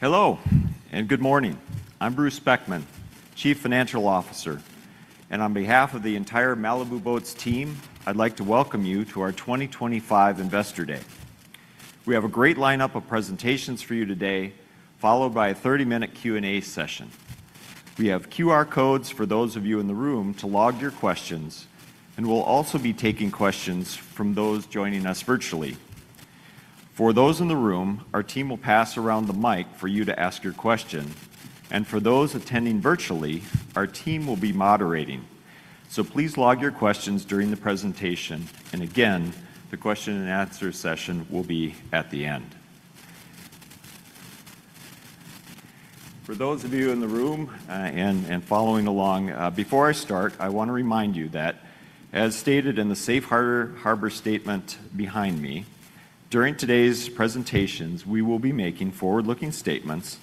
Hello and good morning. I'm Bruce Beckman, Chief Financial Officer, and on behalf of the entire Malibu Boats team, I'd like to welcome you to our 2025 Investor Day. We have a great lineup of presentations for you today, followed by a 30-minute Q&A session. We have QR codes for those of you in the room to log your questions, and we'll also be taking questions from those joining us virtually. For those in the room, our team will pass around the mic for you to ask your question, and for those attending virtually, our team will be moderating. Please log your questions during the presentation, and again, the question and answer session will be at the end. For those of you in the room and following along, before I start, I want to remind you that, as stated in the Safe Harbor statement behind me, during today's presentations, we will be making forward-looking statements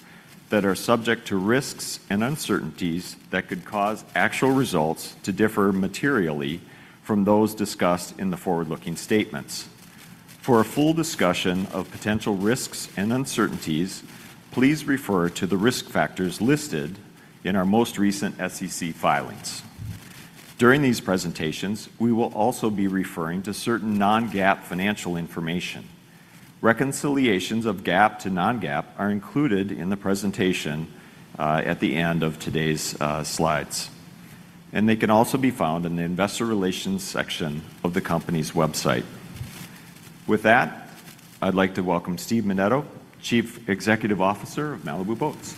that are subject to risks and uncertainties that could cause actual results to differ materially from those discussed in the forward-looking statements. For a full discussion of potential risks and uncertainties, please refer to the risk factors listed in our most recent SEC filings. During these presentations, we will also be referring to certain non-GAAP financial information. Reconciliations of GAAP to non-GAAP are included in the presentation at the end of today's slides, and they can also be found in the Investor Relations section of the company's website. With that, I'd like to welcome Steve Menneto, Chief Executive Officer of Malibu Boats.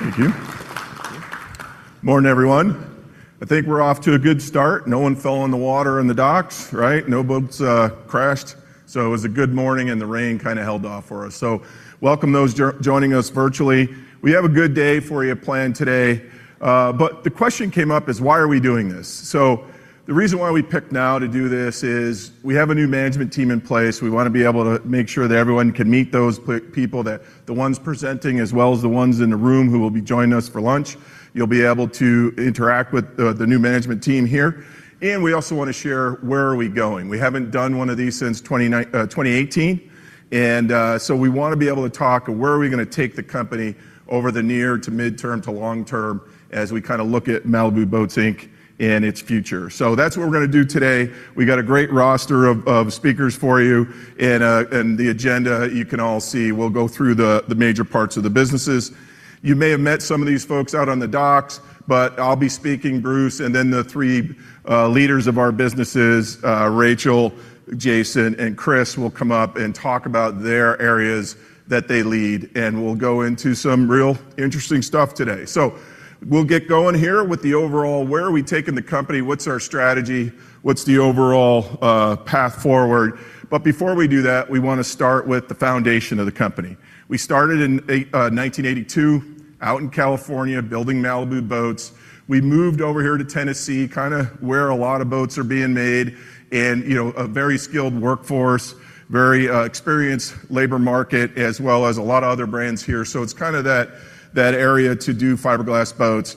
Thank you. Thank you. Morning, everyone. I think we're off to a good start. No one fell in the water in the docks, right? No boats crashed. It was a good morning, and the rain kind of held off for us. Welcome those joining us virtually. We have a good day for you planned today. The question came up as to why are we doing this. The reason why we picked now to do this is we have a new management team in place. We want to be able to make sure that everyone can meet those people, the ones presenting as well as the ones in the room who will be joining us for lunch. You'll be able to interact with the new management team here. We also want to share where are we going. We haven't done one of these since 2018. We want to be able to talk about where are we going to take the company over the near to mid-term to long-term as we kind of look at Malibu Boats, Inc. and its future. That's what we're going to do today. We got a great roster of speakers for you, and the agenda you can all see. We'll go through the major parts of the businesses. You may have met some of these folks out on the docks, but I'll be speaking, Bruce, and then the three leaders of our businesses, Rachel, Jason, and Chris, will come up and talk about their areas that they lead, and we'll go into some real interesting stuff today. We'll get going here with the overall, where are we taking the company, what's our strategy, what's the overall path forward. Before we do that, we want to start with the foundation of the company. We started in 1982 out in California building Malibu Boats. We moved over here to Tennessee, kind of where a lot of boats are being made, and you know, a very skilled workforce, very experienced labor market, as well as a lot of other brands here. It's kind of that area to do fiberglass boats.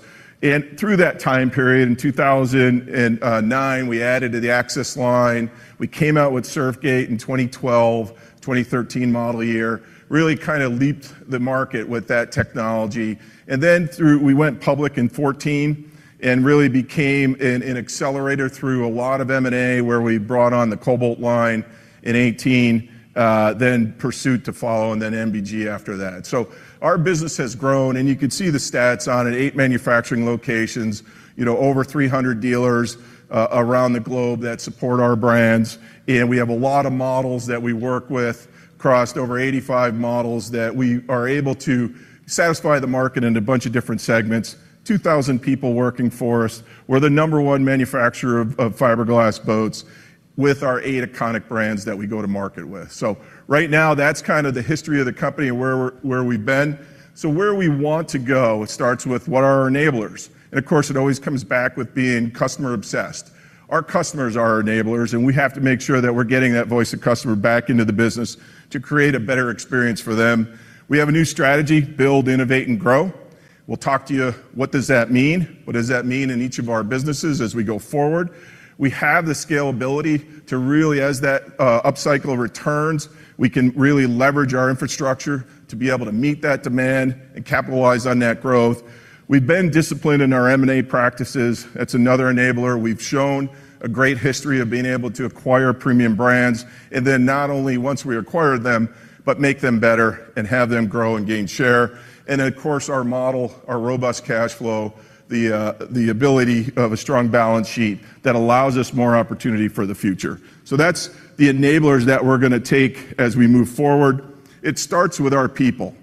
Through that time period, in 2009, we added to the Axis line. We came out with Surfgate in 2012, 2013 model year, really kind of leaped the market with that technology. We went public in 2014 and really became an accelerator through a lot of M&A where we brought on the Cobalt line in 2018, then Pursuit to follow, and then MBG after that. Our business has grown, and you can see the stats on it, eight manufacturing locations, over 300 dealers around the globe that support our brands. We have a lot of models that we work with, crossed over 85 models that we are able to satisfy the market in a bunch of different segments. 2,000 people working for us. We're the number one manufacturer of fiberglass boats with our eight iconic brands that we go to market with. Right now, that's kind of the history of the company and where we've been. Where we want to go, it starts with what are our enablers. Of course, it always comes back with being customer-obsessed. Our customers are our enablers, and we have to make sure that we're getting that voice of customer back into the business to create a better experience for them. We have a new strategy, build, innovate, and grow. We'll talk to you, what does that mean? What does that mean in each of our businesses as we go forward? We have the scalability to really, as that upcycle returns, we can really leverage our infrastructure to be able to meet that demand and capitalize on that growth. We've been disciplined in our M&A practices. That's another enabler. We've shown a great history of being able to acquire premium brands, and then not only once we acquire them, but make them better and have them grow and gain share. Our model, our robust cash flow, the ability of a strong balance sheet that allows us more opportunity for the future. That's the enablers that we're going to take as we move forward. It starts with our people.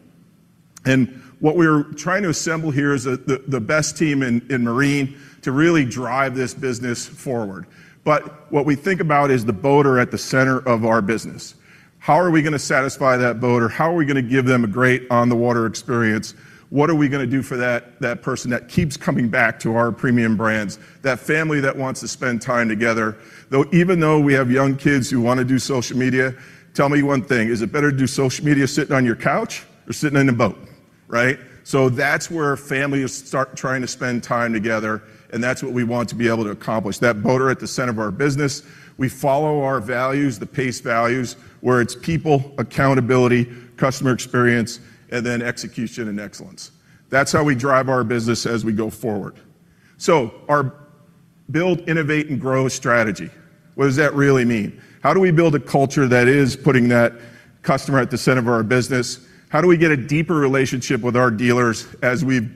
What we're trying to assemble here is the best team in marine to really drive this business forward. What we think about is the boater at the center of our business. How are we going to satisfy that boater? How are we going to give them a great on-the-water experience? What are we going to do for that person that keeps coming back to our premium brands, that family that wants to spend time together? Even though we have young kids who want to do social media, tell me one thing, is it better to do social media sitting on your couch or sitting in a boat? Right? That's where families start trying to spend time together, and that's what we want to be able to accomplish. That boater at the center of our business, we follow our values, the PACE values, where it's people, accountability, customer experience, and then execution and excellence. That's how we drive our business as we go forward. Our build, innovate, and grow strategy, what does that really mean? How do we build a culture that is putting that customer at the center of our business? How do we get a deeper relationship with our dealers as we've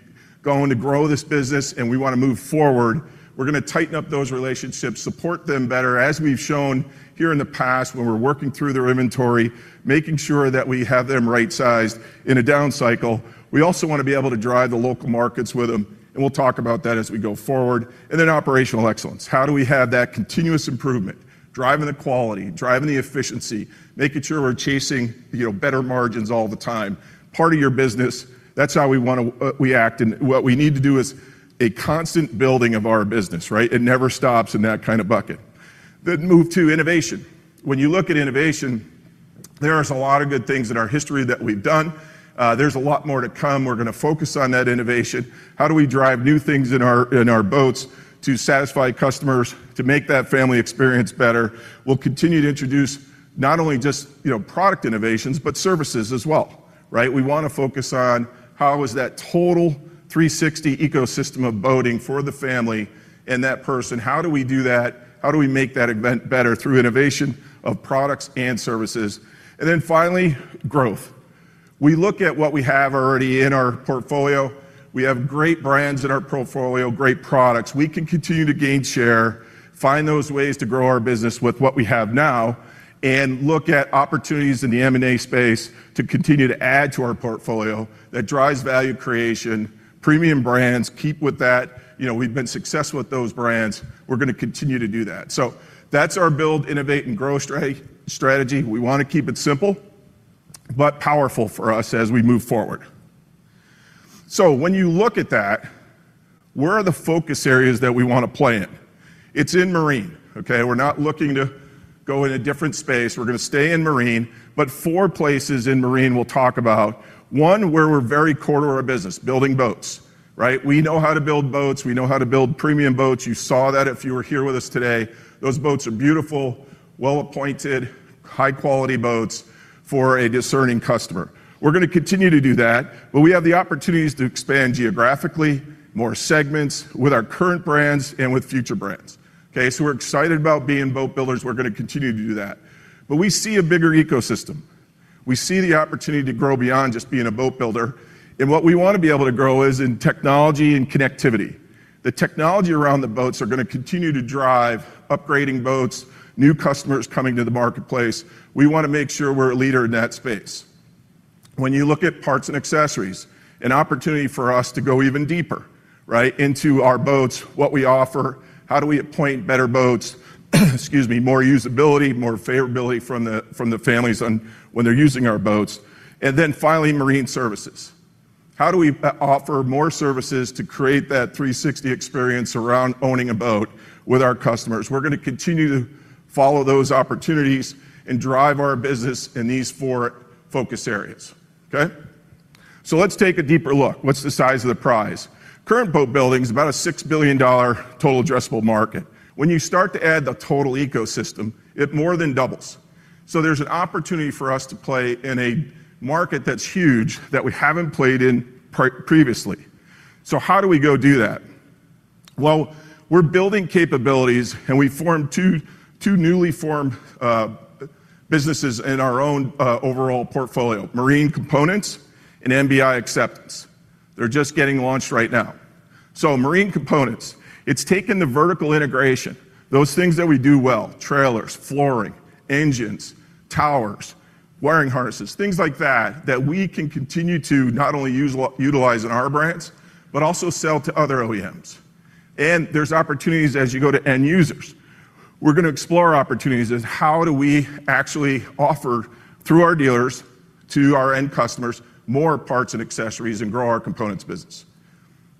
grown to grow this business and we want to move forward? We're going to tighten up those relationships, support them better as we've shown here in the past when we're working through their inventory, making sure that we have them right-sized in a down cycle. We also want to be able to drive the local markets with them, and we'll talk about that as we go forward. Operational excellence: how do we have that continuous improvement, driving the quality, driving the efficiency, making sure we're chasing better margins all the time? Part of your business, that's how we want to react. What we need to do is a constant building of our business, right? It never stops in that kind of bucket. Move to innovation. When you look at innovation, there are a lot of good things in our history that we've done. There's a lot more to come. We're going to focus on that innovation. How do we drive new things in our boats to satisfy customers, to make that family experience better? We'll continue to introduce not only just product innovations, but services as well. We want to focus on how is that total 360 ecosystem of boating for the family and that person. How do we do that? How do we make that event better through innovation of products and services? Finally, growth. We look at what we have already in our portfolio. We have great brands in our portfolio, great products. We can continue to gain share, find those ways to grow our business with what we have now, and look at opportunities in the M&A space to continue to add to our portfolio that drives value creation. Premium brands, keep with that. You know, we've been successful with those brands. We're going to continue to do that. That's our build, innovate, and grow strategy. We want to keep it simple, but powerful for us as we move forward. When you look at that, where are the focus areas that we want to play in? It's in marine. We're not looking to go in a different space. We're going to stay in marine, but four places in marine we'll talk about. One, where we're very core to our business, building boats. We know how to build boats. We know how to build premium boats. You saw that if you were here with us today. Those boats are beautiful, well-appointed, high-quality boats for a discerning customer. We're going to continue to do that, but we have the opportunities to expand geographically, more segments with our current brands and with future brands. We're excited about being boat builders. We're going to continue to do that. We see a bigger ecosystem. We see the opportunity to grow beyond just being a boat builder. What we want to be able to grow is in technology and connectivity. The technology around the boats is going to continue to drive upgrading boats, new customers coming to the marketplace. We want to make sure we're a leader in that space. When you look at parts and accessories, an opportunity for us to go even deeper into our boats, what we offer, how do we appoint better boats, excuse me, more usability, more favorability from the families when they're using our boats. Finally, marine services. How do we offer more services to create that 360 experience around owning a boat with our customers? We're going to continue to follow those opportunities and drive our business in these four focus areas. Okay, let's take a deeper look. What's the size of the prize? Current boat building is about a $6 billion total addressable market. When you start to add the total ecosystem, it more than doubles. There's an opportunity for us to play in a market that's huge that we haven't played in previously. How do we go do that? We're building capabilities, and we formed two newly formed businesses in our overall portfolio, Marine Components and MBI Acceptance. They're just getting launched right now. Marine Components is taking the vertical integration, those things that we do well, trailers, flooring, engines, towers, wiring harnesses, things like that, that we can continue to not only utilize in our brands, but also sell to other OEMs. There are opportunities as you go to end users. We're going to explore opportunities as to how do we actually offer through our dealers to our end customers more parts and accessories and grow our components business.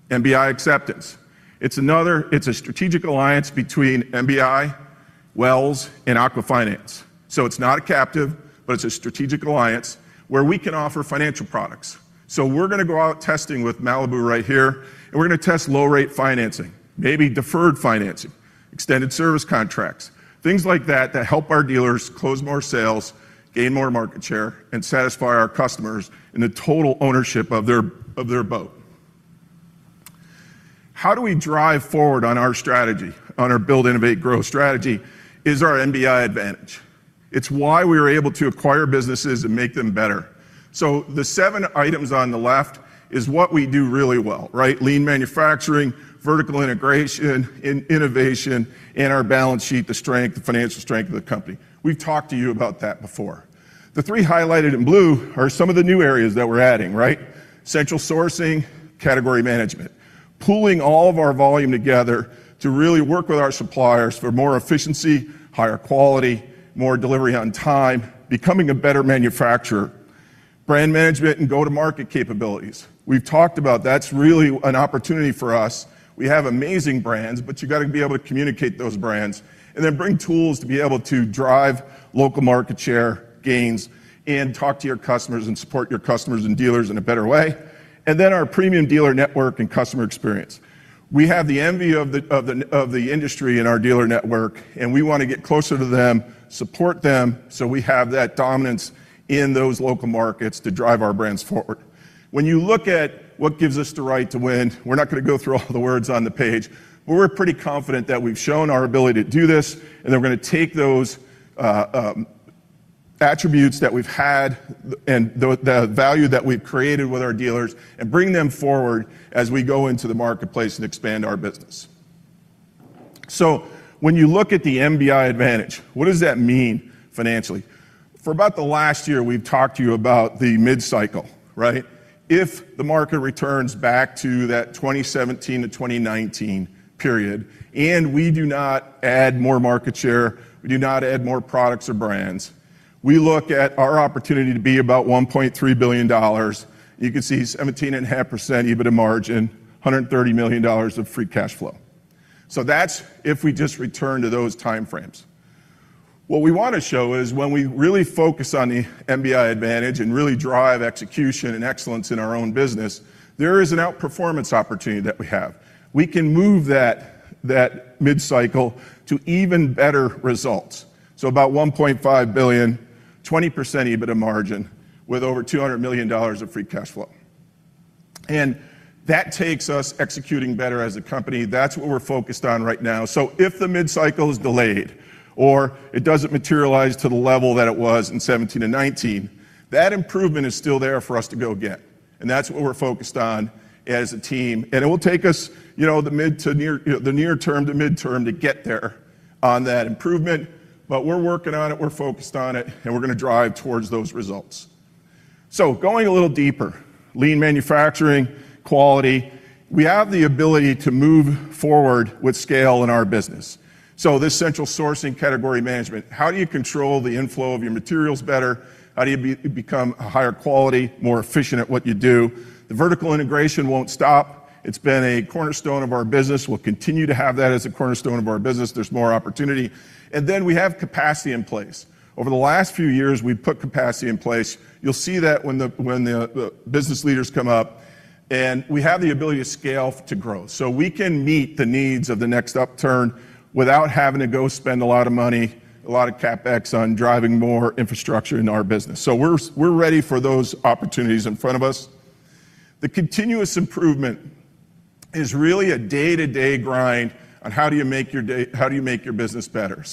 MBI Acceptance is another, it's a strategic alliance between MBI, Wells Fargo, and Aqua Finance. It's not a captive, but it's a strategic alliance where we can offer financial products. We're going to go out testing with Malibu right here, and we're going to test low-rate financing, maybe deferred financing, extended service contracts, things like that that help our dealers close more sales, gain more market share, and satisfy our customers in the total ownership of their boat. How do we drive forward on our strategy, on our build, innovate, grow strategy is our MBI advantage. It's why we were able to acquire businesses and make them better. The seven items on the left are what we do really well, right? Lean manufacturing, vertical integration, innovation, and our balance sheet, the strength, the financial strength of the company. We've talked to you about that before. The three highlighted in blue are some of the new areas that we're adding, right? Central sourcing, category management, pulling all of our volume together to really work with our suppliers for more efficiency, higher quality, more delivery on time, becoming a better manufacturer, brand management, and go-to-market capabilities. We've talked about that's really an opportunity for us. We have amazing brands, but you've got to be able to communicate those brands and then bring tools to be able to drive local market share gains and talk to your customers and support your customers and dealers in a better way. Our premium dealer network and customer experience, we have the envy of the industry in our dealer network, and we want to get closer to them, support them, so we have that dominance in those local markets to drive our brands forward. When you look at what gives us the right to win, we're not going to go through all the words on the page, but we're pretty confident that we've shown our ability to do this, and then we're going to take those attributes that we've had and the value that we've created with our dealers and bring them forward as we go into the marketplace and expand our business. When you look at the MBI advantage, what does that mean financially? For about the last year, we've talked to you about the mid-cycle, right? If the market returns back to that 2017 to 2019 period, and we do not add more market share, we do not add more products or brands, we look at our opportunity to be about $1.3 billion. You can see 17.5% EBITDA margin, $130 million of free cash flow. That's if we just return to those timeframes. What we want to show is when we really focus on the MBI advantage and really drive execution and excellence in our own business, there is an outperformance opportunity that we have. We can move that mid-cycle to even better results, so about $1.5 billion, 20% EBITDA margin with over $200 million of free cash flow. That takes us executing better as a company. That's what we're focused on right now. If the mid-cycle is delayed or it doesn't materialize to the level that it was in 2017 and 2019, that improvement is still there for us to go get. That's what we're focused on as a team. It will take us the near term to midterm to get there on that improvement. We're working on it, we're focused on it, and we're going to drive towards those results. Going a little deeper, lean manufacturing, quality, we have the ability to move forward with scale in our business. This central sourcing category management, how do you control the inflow of your materials better? How do you become a higher quality, more efficient at what you do? The vertical integration won't stop. It's been a cornerstone of our business. We'll continue to have that as a cornerstone of our business. There's more opportunity, and then we have capacity in place. Over the last few years, we've put capacity in place. You'll see that when the business leaders come up, and we have the ability to scale to growth. We can meet the needs of the next upturn without having to go spend a lot of money, a lot of CapEx on driving more infrastructure in our business. We're ready for those opportunities in front of us. The continuous improvement is really a day-to-day grind on how do you make your business better.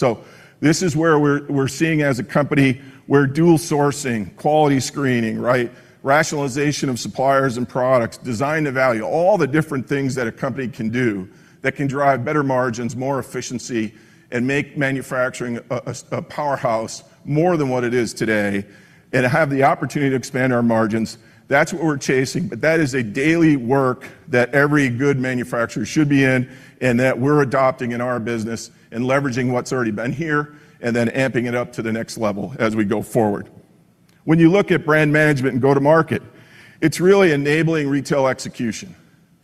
This is where we're seeing as a company, we're dual sourcing, quality screening, right? Rationalization of suppliers and products, design to value, all the different things that a company can do that can drive better margins, more efficiency, and make manufacturing a powerhouse more than what it is today, and have the opportunity to expand our margins. That's what we're chasing, but that is a daily work that every good manufacturer should be in, and that we're adopting in our business and leveraging what's already been here, and then amping it up to the next level as we go forward. When you look at brand management and go-to-market, it's really enabling retail execution.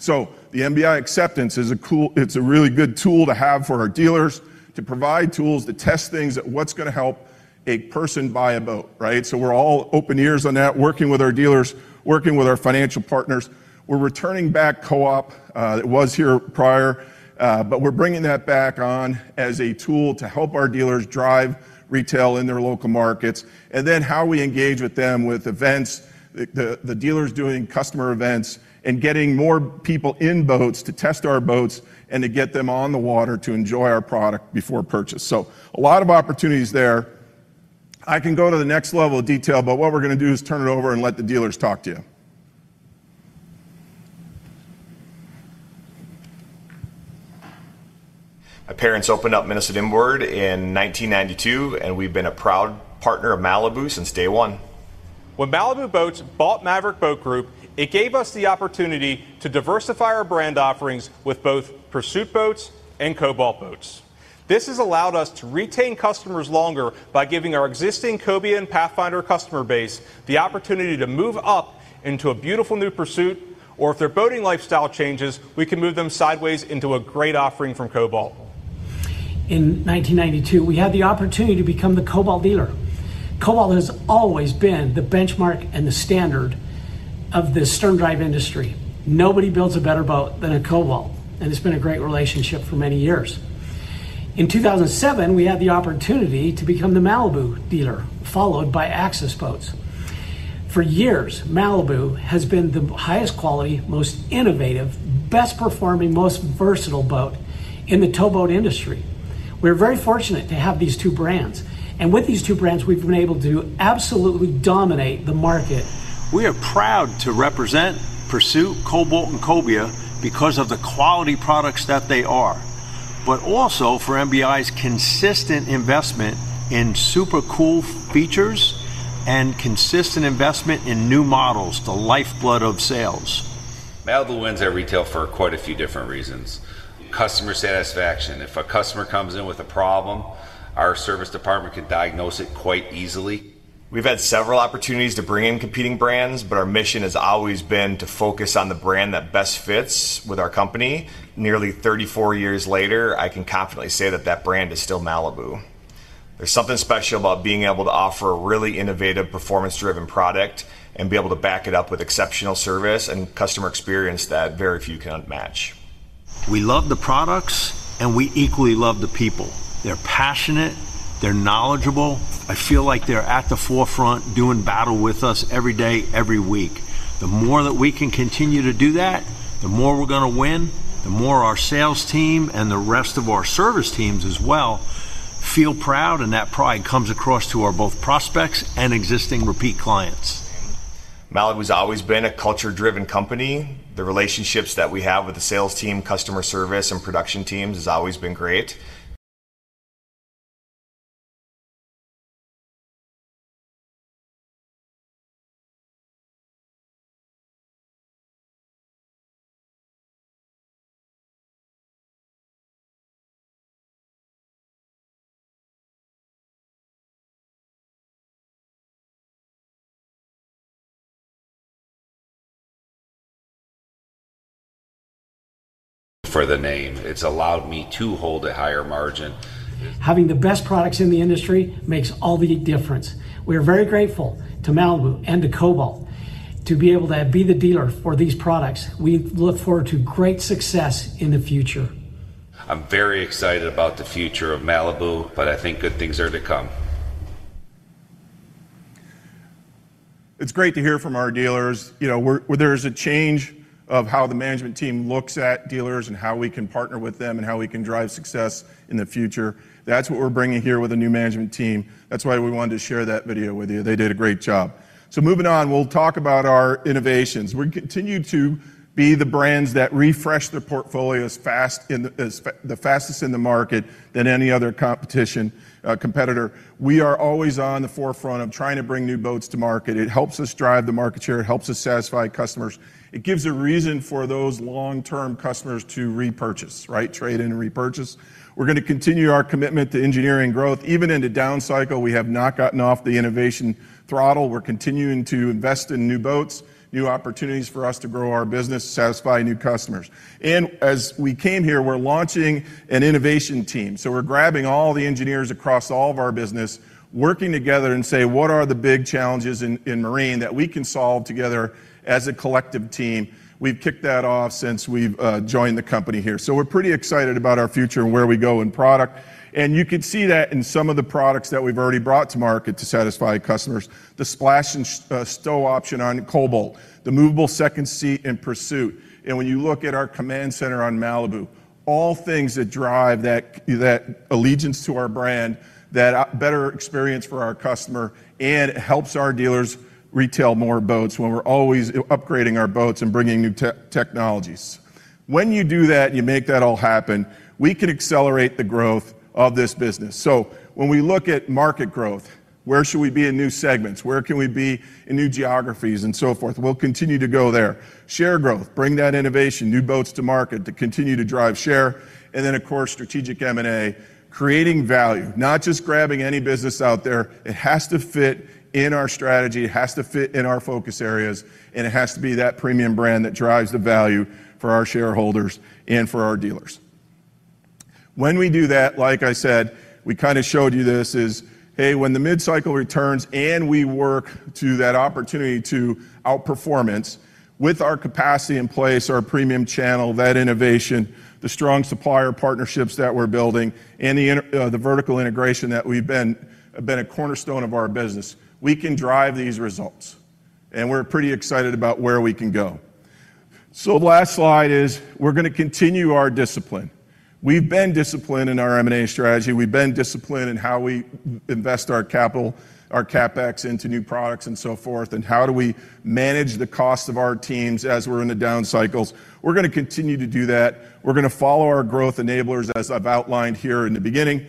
The MBI Acceptance is a really good tool to have for our dealers to provide tools to test things at what's going to help a person buy a boat, right? We're all open ears on that, working with our dealers, working with our financial partners. We're returning back co-op that was here prior, but we're bringing that back on as a tool to help our dealers drive retail in their local markets. How we engage with them with events, the dealers doing customer events, and getting more people in boats to test our boats and to get them on the water to enjoy our product before purchase. A lot of opportunities there. I can go to the next level of detail, but what we're going to do is turn it over and let the dealers talk to you. My parents opened up Minnesota Inboard in 1992, and we've been a proud partner of Malibu since day one. When Malibu Boats bought Maverick Boat Group, it gave us the opportunity to diversify our brand offerings with both Pursuit boats and Cobalt boats. This has allowed us to retain customers longer by giving our existing Cobia and Pathfinder customer base the opportunity to move up into a beautiful new Pursuit, or if their boating lifestyle changes, we can move them sideways into a great offering from Cobalt. In 1992, we had the opportunity to become the Cobalt dealer. Cobalt has always been the benchmark and the standard of the sterndrive industry. Nobody builds a better boat than a Cobalt, and it's been a great relationship for many years. In 2007, we had the opportunity to become the Malibu dealer, followed by Axis boats. For years, Malibu has been the highest quality, most innovative, best performing, most versatile boat in the tow boat industry. We're very fortunate to have these two brands, and with these two brands, we've been able to absolutely dominate the market. We are proud to represent Pursuit, Cobalt, and Cobia because of the quality products that they are, but also for MBI's consistent investment in super cool features and consistent investment in new models, the lifeblood of sales. Malibu wins at retail for quite a few different reasons. Customer satisfaction, if a customer comes in with a problem, our service department can diagnose it quite easily. We've had several opportunities to bring in competing brands, but our mission has always been to focus on the brand that best fits with our company. Nearly 34 years later, I can confidently say that that brand is still Malibu. There's something special about being able to offer a really innovative, performance-driven product and be able to back it up with exceptional service and customer experience that very few can match. We love the products, and we equally love the people. They're passionate. They're knowledgeable. I feel like they're at the forefront doing battle with us every day, every week. The more that we can continue to do that, the more we're going to win, the more our sales team and the rest of our service teams as well feel proud, and that pride comes across to our both prospects and existing repeat clients. Malibu has always been a culture-driven company. The relationships that we have with the sales team, customer service, and production teams have always been great. For the name, it's allowed me to hold a higher margin. Having the best products in the industry makes all the difference. We are very grateful to Malibu and to Cobalt to be able to be the dealer for these products. We look forward to great success in the future. I'm very excited about the future of Malibu, but I think good things are to come. It's great to hear from our dealers. You know, where there's a change of how the management team looks at dealers and how we can partner with them and how we can drive success in the future. That's what we're bringing here with a new management team. That's why we wanted to share that video with you. They did a great job. Moving on, we'll talk about our innovations. We continue to be the brands that refresh their portfolios fast, the fastest in the market than any other competition, competitor. We are always on the forefront of trying to bring new boats to market. It helps us drive the market share. It helps us satisfy customers. It gives a reason for those long-term customers to repurchase, right? Trade in and repurchase. We're going to continue our commitment to engineering growth, even in the down cycle. We have not gotten off the innovation throttle. We're continuing to invest in new boats, new opportunities for us to grow our business, satisfy new customers. As we came here, we're launching an innovation team. We're grabbing all the engineers across all of our business, working together and saying, what are the big challenges in marine that we can solve together as a collective team? We've kicked that off since we've joined the company here. We're pretty excited about our future and where we go in product. You can see that in some of the products that we've already brought to market to satisfy customers. The splash and stow option on Cobalt, the movable second seat in Pursuit. When you look at our command center on Malibu, all things that drive that allegiance to our brand, that better experience for our customer, and it helps our dealers retail more boats when we're always upgrading our boats and bringing new technologies. When you do that, you make that all happen. We can accelerate the growth of this business. When we look at market growth, where should we be in new segments? Where can we be in new geographies and so forth? We'll continue to go there. Share growth, bring that innovation, new boats to market to continue to drive share, and then, of course, strategic M&A, creating value, not just grabbing any business out there. It has to fit in our strategy. It has to fit in our focus areas, and it has to be that premium brand that drives the value for our shareholders and for our dealers. When we do that, like I said, we kind of showed you this is, hey, when the mid-cycle returns and we work to that opportunity to outperformance with our capacity in place, our premium channel, that innovation, the strong supplier partnerships that we're building, and the vertical integration that has been a cornerstone of our business, we can drive these results. We're pretty excited about where we can go. The last slide is we're going to continue our discipline. We've been disciplined in our M&A strategy. We've been disciplined in how we invest our capital, our CapEx into new products and so forth, and how we manage the costs of our teams as we're in the down cycles. We're going to continue to do that. We're going to follow our growth enablers as I've outlined here in the beginning.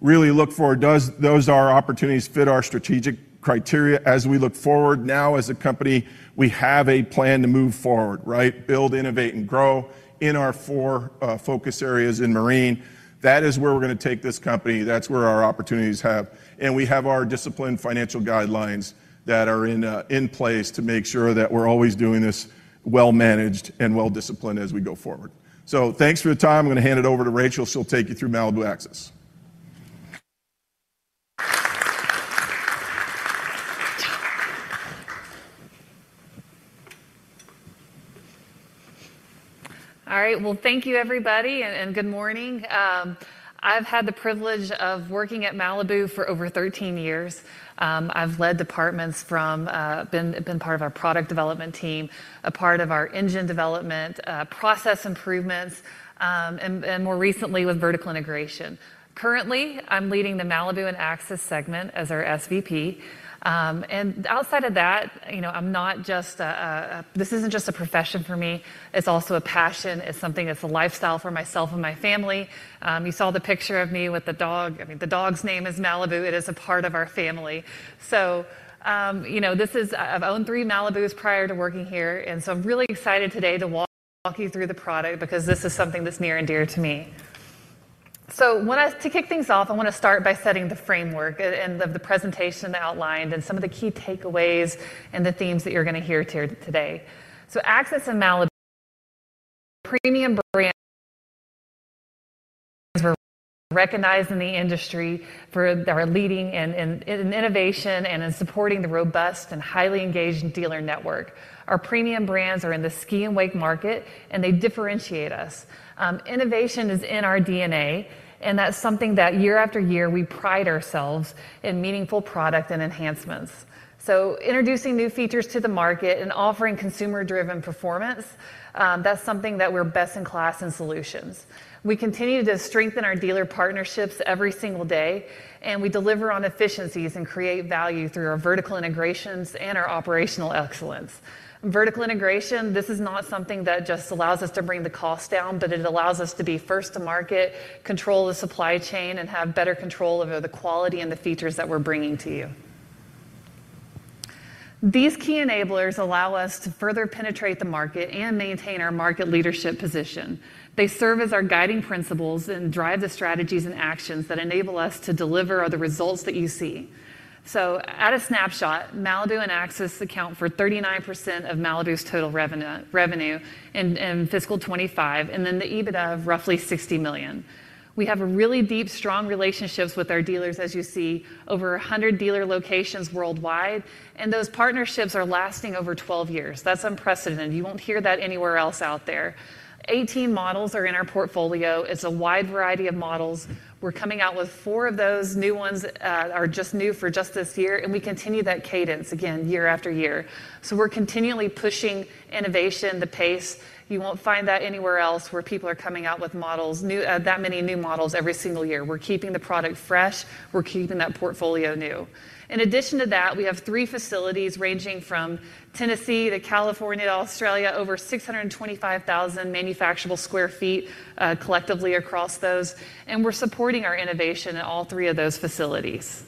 Really look forward to those opportunities that fit our strategic criteria as we look forward now as a company. We have a plan to move forward, right? Build, innovate, and grow in our four focus areas in marine. That is where we're going to take this company. That's where our opportunities are. We have our disciplined financial guidelines that are in place to make sure that we're always doing this well managed and well disciplined as we go forward. Thanks for the time. I'm going to hand it over to Rachel. She'll take you through Malibu and Axis. All right. Thank you, everybody, and good morning. I've had the privilege of working at Malibu Boats for over 13 years. I've led departments from, been part of our product development team, a part of our engine development, process improvements, and more recently with vertical integration. Currently, I'm leading the Malibu and Axis segment as our SVP. Outside of that, you know, this isn't just a profession for me. It's also a passion. It's something that's a lifestyle for myself and my family. You saw the picture of me with the dog. I mean, the dog's name is Malibu. It is a part of our family. You know, I've owned three Malibus prior to working here. I'm really excited today to walk you through the product because this is something that's near and dear to me. To kick things off, I want to start by setting the framework and the presentation outline and some of the key takeaways and the themes that you're going to hear today. Axis and Malibu, premium brands, were recognized in the industry for their leading innovation and in supporting the robust and highly engaged dealer network. Our premium brands are in the ski and wake market, and they differentiate us. Innovation is in our DNA, and that's something that year after year we pride ourselves in, meaningful product and enhancements. Introducing new features to the market and offering consumer-driven performance, that's something that we're best in class in solutions. We continue to strengthen our dealer partnerships every single day, and we deliver on efficiencies and create value through our vertical integrations and our operational excellence. Vertical integration, this is not something that just allows us to bring the cost down, but it allows us to be first to market, control the supply chain, and have better control over the quality and the features that we're bringing to you. These key enablers allow us to further penetrate the market and maintain our market leadership position. They serve as our guiding principles and drive the strategies and actions that enable us to deliver the results that you see. At a snapshot, Malibu and Axis account for 39% of Malibu Boats' total revenue in fiscal 2025, and then the EBITDA of roughly $60 million. We have really deep, strong relationships with our dealers, as you see, over 100 dealer locations worldwide, and those partnerships are lasting over 12 years. That's unprecedented. You won't hear that anywhere else out there. 18 models are in our portfolio. It's a wide variety of models. We're coming out with four of those. New ones are just new for just this year, and we continue that cadence again year after year. We're continually pushing innovation at the pace. You won't find that anywhere else where people are coming out with models, that many new models every single year. We're keeping the product fresh. We're keeping that portfolio new. In addition to that, we have three facilities ranging from Tennessee to California to Australia, over 625,000 manufacturable square feet collectively across those, and we're supporting our innovation in all three of those facilities.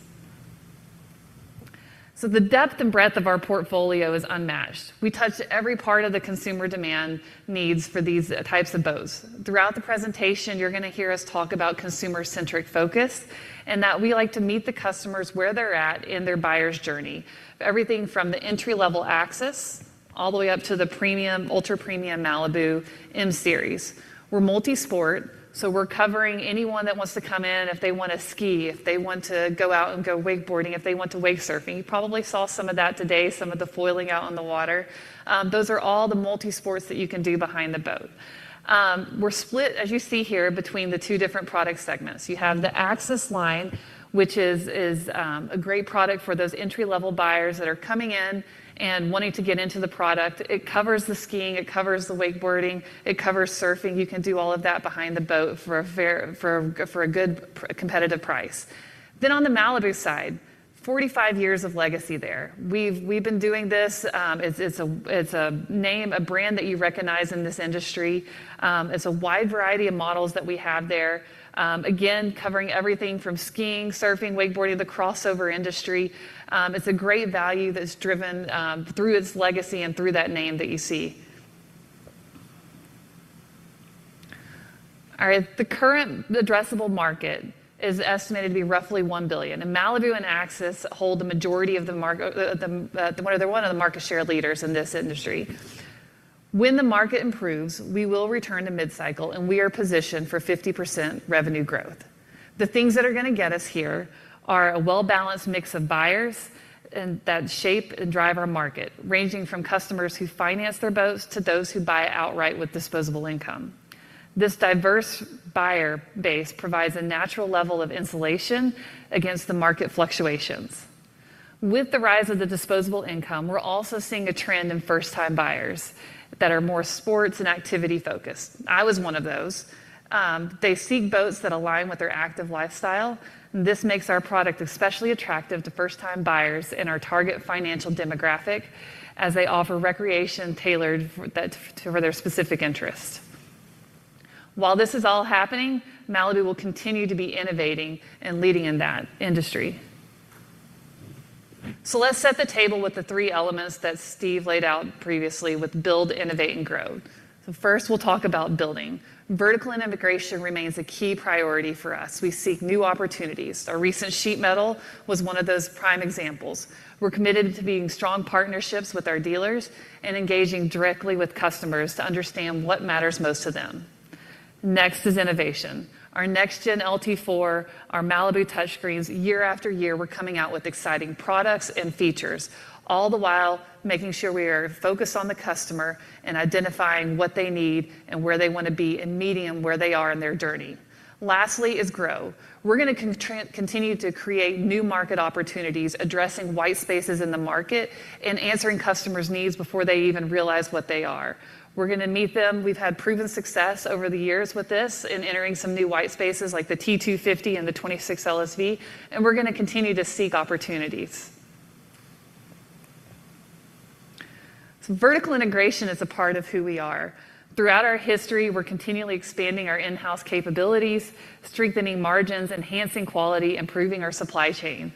The depth and breadth of our portfolio is unmatched. We touch every part of the consumer demand needs for these types of boats. Throughout the presentation, you're going to hear us talk about consumer-centric focus and that we like to meet the customers where they're at in their buyer's journey. Everything from the entry-level Axis all the way up to the premium, ultra-premium Malibu M-Series. We're multi-sport, so we're covering anyone that wants to come in if they want to ski, if they want to go out and go wakeboarding, if they want to wake surfing. You probably saw some of that today, some of the foiling out on the water. Those are all the multi-sports that you can do behind the boat. We're split, as you see here, between the two different product segments. You have the Axis line, which is a great product for those entry-level buyers that are coming in and wanting to get into the product. It covers the skiing, it covers the wakeboarding, it covers surfing. You can do all of that behind the boat for a good competitive price. On the Malibu side, 45 years of legacy there. We've been doing this. It's a name, a brand that you recognize in this industry. It's a wide variety of models that we have there. Again, covering everything from skiing, surfing, wakeboarding, the crossover industry. It's a great value that's driven through its legacy and through that name that you see. The current addressable market is estimated to be roughly $1 billion. Malibu and Axis hold the majority of the market, they're one of the market share leaders in this industry. When the market improves, we will return to mid-cycle, and we are positioned for 50% revenue growth. The things that are going to get us here are a well-balanced mix of buyers that shape and drive our market, ranging from customers who finance their boats to those who buy outright with disposable income. This diverse buyer base provides a natural level of insulation against the market fluctuations. With the rise of the disposable income, we're also seeing a trend in first-time buyers that are more sports and activity-focused. I was one of those. They seek boats that align with their active lifestyle. This makes our product especially attractive to first-time buyers in our target financial demographic as they offer recreation tailored for their specific interests. While this is all happening, Malibu will continue to be innovating and leading in that industry. Let's set the table with the three elements that Steve laid out previously with build, innovate, and grow. First, we'll talk about building. Vertical integration remains a key priority for us. We seek new opportunities. Our recent Sheet Metal was one of those prime examples. We're committed to being strong partnerships with our dealers and engaging directly with customers to understand what matters most to them. Next is innovation. Our NextGen LT4, our Malibu touchscreens, year after year, we're coming out with exciting products and features, all the while making sure we are focused on the customer and identifying what they need and where they want to be and meeting them where they are in their journey. Lastly is grow. We're going to continue to create new market opportunities, addressing white spaces in the market and answering customers' needs before they even realize what they are. We're going to meet them. We've had proven success over the years with this in entering some new white spaces like the T250 and the 25 LSV, and we're going to continue to seek opportunities. Vertical integration is a part of who we are. Throughout our history, we're continually expanding our in-house capabilities, strengthening margins, enhancing quality, improving our supply chain.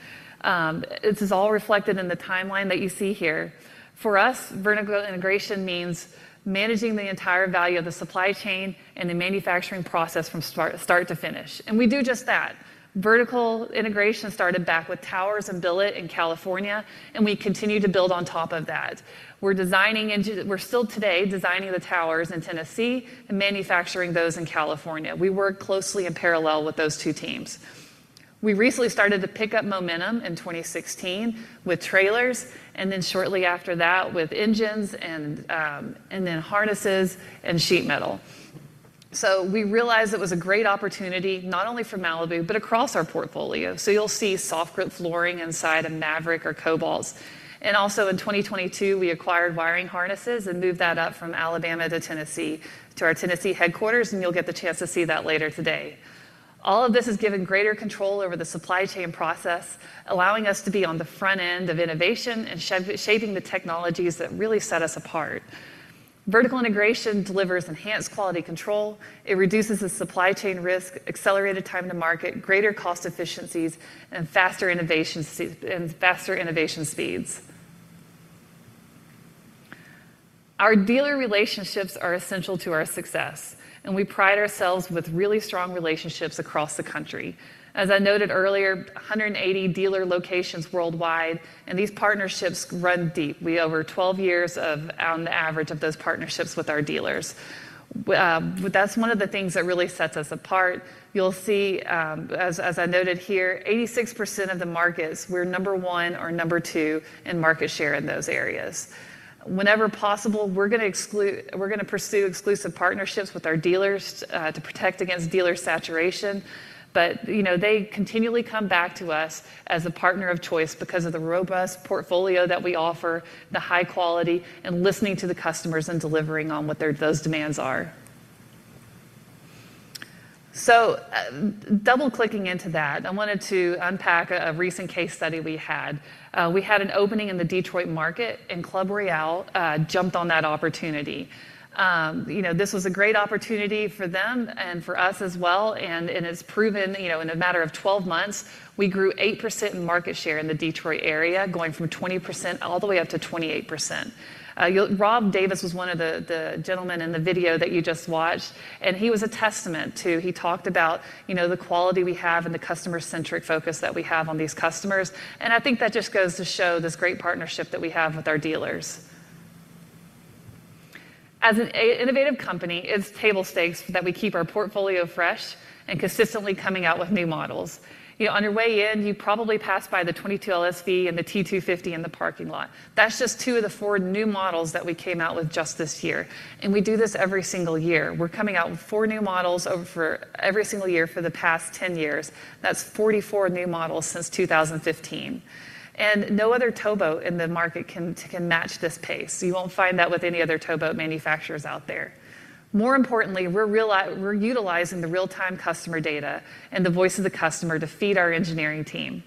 This is all reflected in the timeline that you see here. For us, vertical integration means managing the entire value of the supply chain and the manufacturing process from start to finish. We do just that. Vertical integration started back with towers in billet in California, and we continue to build on top of that. We're designing into, we're still today designing the towers in Tennessee and manufacturing those in California. We work closely in parallel with those two teams. We recently started to pick up momentum in 2016 with trailers, and then shortly after that with engines and then harnesses and sheet metal. We realized it was a great opportunity not only for Malibu, but across our portfolio. You'll see soft grip flooring inside a Maverick or Cobalt. In 2022, we acquired wiring harnesses and moved that up from Alabama to Tennessee to our Tennessee headquarters, and you'll get the chance to see that later today. All of this has given greater control over the supply chain process, allowing us to be on the front end of innovation and shaping the technologies that really set us apart. Vertical integration delivers enhanced quality control. It reduces the supply chain risk, accelerated time to market, greater cost efficiencies, and faster innovation speeds. Our dealer relationships are essential to our success, and we pride ourselves with really strong relationships across the country. As I noted earlier, 180 dealer locations worldwide, and these partnerships run deep. We have over 12 years on the average of those partnerships with our dealers. That's one of the things that really sets us apart. You'll see, as I noted here, 86% of the markets, we're number one or number two in market share in those areas. Whenever possible, we're going to pursue exclusive partnerships with our dealers to protect against dealer saturation. They continually come back to us as a partner of choice because of the robust portfolio that we offer, the high quality, and listening to the customers and delivering on what those demands are. Double-clicking into that, I wanted to unpack a recent case study we had. We had an opening in the Detroit market, and Club Royale jumped on that opportunity. This was a great opportunity for them and for us as well. It's proven, in a matter of 12 months, we grew 8% in market share in the Detroit area, going from 20% all the way up to 28%. Rob Davis was one of the gentlemen in the video that you just watched, and he was a testament to, he talked about, the quality we have and the customer-centric focus that we have on these customers. I think that just goes to show this great partnership that we have with our dealers. As an innovative company, it's table stakes that we keep our portfolio fresh and consistently coming out with new models. You know, on your way in, you probably pass by the 22 LSV and the T250 in the parking lot. That's just two of the four new models that we came out with just this year. We do this every single year. We're coming out with four new models for every single year for the past 10 years. That's 44 new models since 2015. No other tow boat in the market can match this pace. You won't find that with any other tow boat manufacturers out there. More importantly, we're utilizing the real-time customer data and the voice of the customer to feed our engineering team.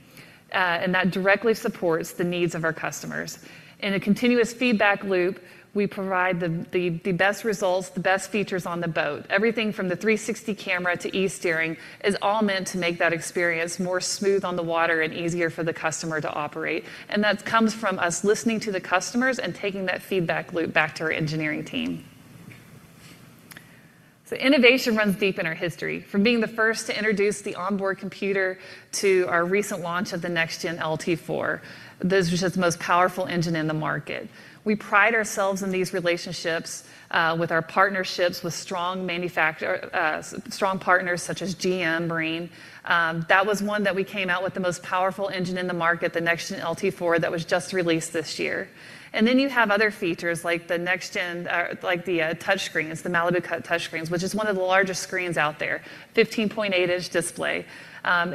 That directly supports the needs of our customers. In a continuous feedback loop, we provide the best results, the best features on the boat. Everything from the 360 camera to e-steering is all meant to make that experience more smooth on the water and easier for the customer to operate. That comes from us listening to the customers and taking that feedback loop back to our engineering team. Innovation runs deep in our history, from being the first to introduce the onboard computer to our recent launch of the NextGen LT4, this was the most powerful engine in the market. We pride ourselves in these relationships with our partnerships with strong partners such as GM Marine. That was one that we came out with the most powerful engine in the market, the NextGen LT4 that was just released this year. You have other features like the NextGen, like the touchscreens, the Malibu cut touchscreens, which is one of the largest screens out there. 15.8-inch display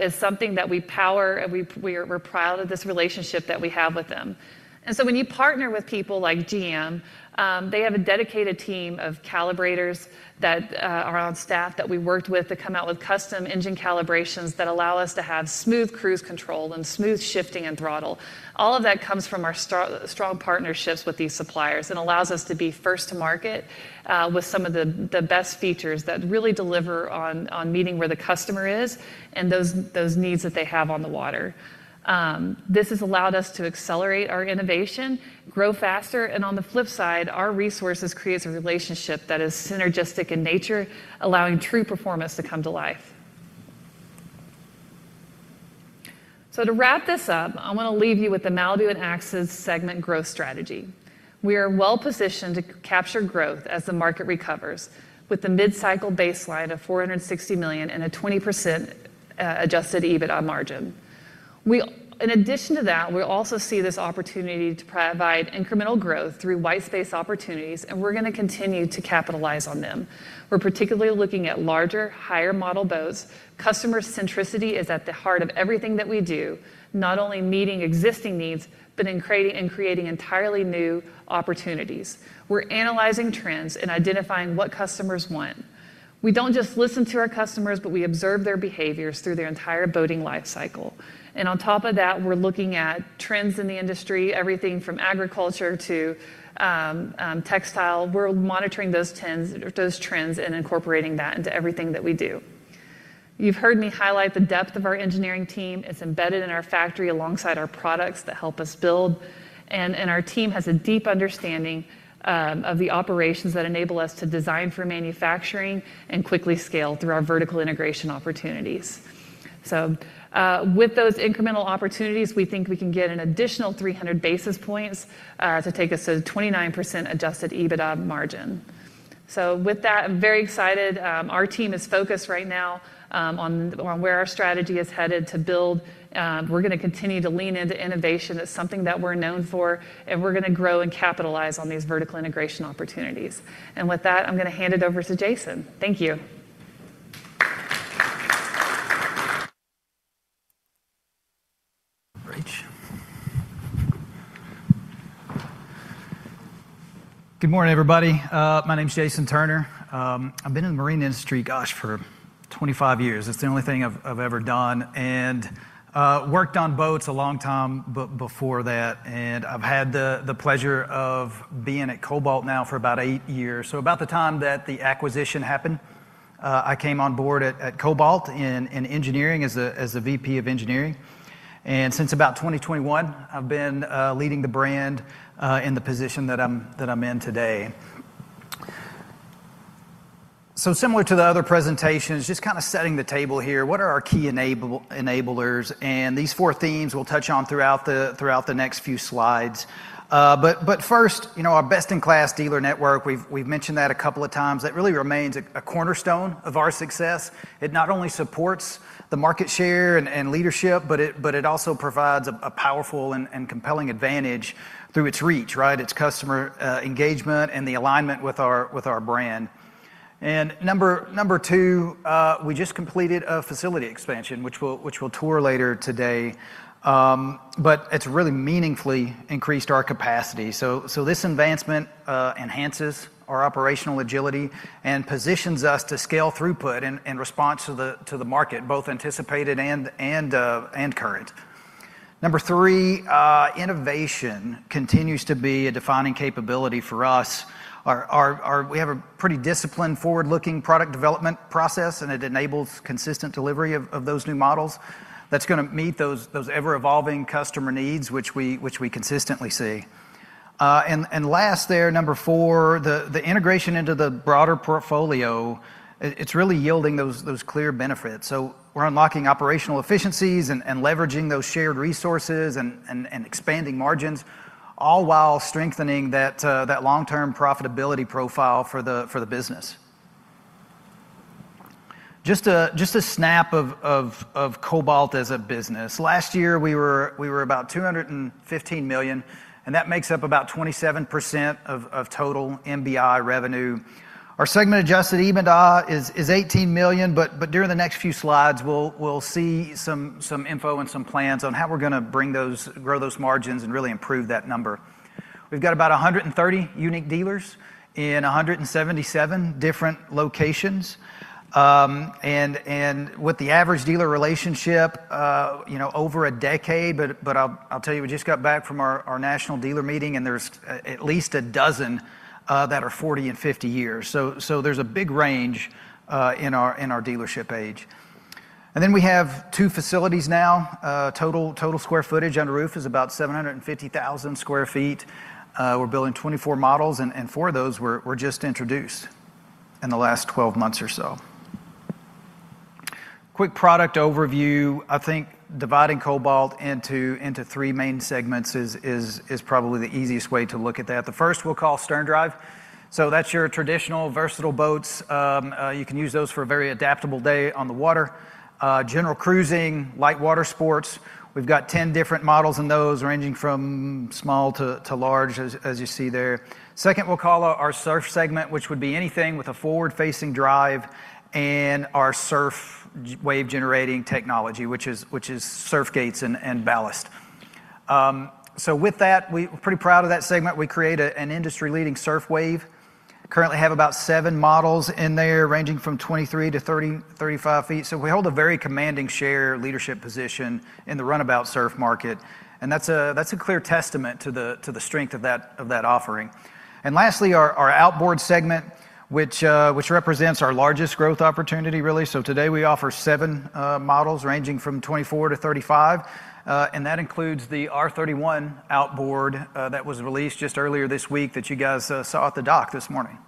is something that we power, and we're proud of this relationship that we have with them. When you partner with people like GM, they have a dedicated team of calibrators that are on staff that we worked with to come out with custom engine calibrations that allow us to have smooth cruise control and smooth shifting and throttle. All of that comes from our strong partnerships with these suppliers and allows us to be first to market with some of the best features that really deliver on meeting where the customer is and those needs that they have on the water. This has allowed us to accelerate our innovation, grow faster, and on the flip side, our resources create a relationship that is synergistic in nature, allowing true performance to come to life. To wrap this up, I want to leave you with the Malibu and Axis segment growth strategy. We are well positioned to capture growth as the market recovers with the mid-cycle baseline of $460 million and a 20% adjusted EBITDA margin. In addition to that, we also see this opportunity to provide incremental growth through white space opportunities, and we're going to continue to capitalize on them. We're particularly looking at larger, higher model boats. Customer centricity is at the heart of everything that we do, not only meeting existing needs, but in creating entirely new opportunities. We're analyzing trends and identifying what customers want. We don't just listen to our customers, but we observe their behaviors through their entire boating life cycle. On top of that, we're looking at trends in the industry, everything from agriculture to textile. We're monitoring those trends and incorporating that into everything that we do. You've heard me highlight the depth of our engineering team. It's embedded in our factory alongside our products that help us build, and our team has a deep understanding of the operations that enable us to design for manufacturing and quickly scale through our vertical integration opportunities. With those incremental opportunities, we think we can get an additional 300 basis points to take us to a 29% adjusted EBITDA margin. I'm very excited. Our team is focused right now on where our strategy is headed to build. We're going to continue to lean into innovation. It's something that we're known for, and we're going to grow and capitalize on these vertical integration opportunities. With that, I'm going to hand it over to Jason. Thank you. Good morning, everybody. My name is Jason Turner. I've been in the marine industry, gosh, for 25 years. That's the only thing I've ever done. I worked on boats a long time before that. I've had the pleasure of being at Cobalt now for about eight years. About the time that the acquisition happened, I came on board at Cobalt in engineering as a VP of Engineering. Since about 2021, I've been leading the brand in the position that I'm in today. Similar to the other presentations, just kind of setting the table here, what are our key enablers? These four themes we'll touch on throughout the next few slides. First, our best-in-class dealer network, we've mentioned that a couple of times, that really remains a cornerstone of our success. It not only supports the market share and leadership, it also provides a powerful and compelling advantage through its reach, its customer engagement, and the alignment with our brand. Number two, we just completed a facility expansion, which we'll tour later today. It's really meaningfully increased our capacity. This advancement enhances our operational agility and positions us to scale throughput in response to the market, both anticipated and current. Number three, innovation continues to be a defining capability for us. We have a pretty disciplined, forward-looking product development process, and it enables consistent delivery of those new models that's going to meet those ever-evolving customer needs, which we consistently see. Last, number four, the integration into the broader portfolio is really yielding those clear benefits. We're unlocking operational efficiencies and leveraging those shared resources and expanding margins, all while strengthening that long-term profitability profile for the business. Just a snap of Cobalt as a business. Last year, we were about $215 million, and that makes up about 27% of total MBI revenue. Our segment-adjusted EBITDA is $18 million, but during the next few slides, we'll see some info and some plans on how we're going to grow those margins and really improve that number. We've got about 130 unique dealers in 177 different locations. With the average dealer relationship over a decade, I'll tell you, we just got back from our national dealer meeting, and there's at least a dozen that are 40 and 50 years. There's a big range in our dealership age. We have two facilities now. Total square footage on the roof is about 750,000 square feet. We're building 24 models, and four of those were just introduced in the last 12 months or so. Quick product overview, I think dividing Cobalt into three main segments is probably the easiest way to look at that. The first we'll call Stern Drive. That's your traditional versatile boats. You can use those for a very adaptable day on the water, general cruising, light water sports. We've got 10 different models in those, ranging from small to large, as you see there. Second, we'll call our surf segment, which would be anything with a forward-facing drive and our surf wave generating technology, which is surf gates and ballast. With that, we're pretty proud of that segment. We create an industry-leading surf wave. Currently, we have about seven models in there, ranging from 23 to 35 feet. We hold a very commanding share leadership position in the runabout surf market. That's a clear testament to the strength of that offering. Lastly, our outboard segment represents our largest growth opportunity, really. Today, we offer seven models, ranging from 24 to 35. That includes the Cobalt R31 outboard that was released just earlier this week that you guys saw at the dock this morning.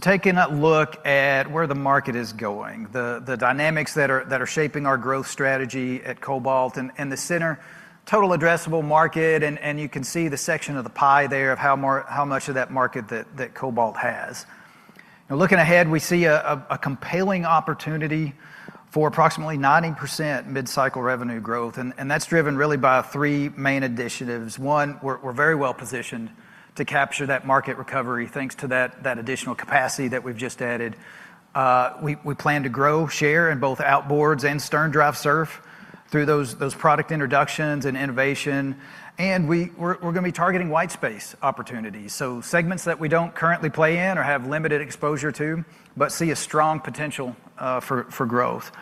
Taking a look at where the market is going, the dynamics that are shaping our growth strategy at Cobalt, and the center total addressable market. You can see the section of the pie there of how much of that market that Cobalt has. Now, looking ahead, we see a compelling opportunity for approximately 90% mid-cycle revenue growth. That's driven really by three main initiatives. One, we're very well positioned to capture that market recovery, thanks to that additional capacity that we've just added. We plan to grow share in both outboards and stern drive surf through those product introductions and innovation. We're going to be targeting white space opportunities, segments that we don't currently play in or have limited exposure to, but see a strong potential for growth.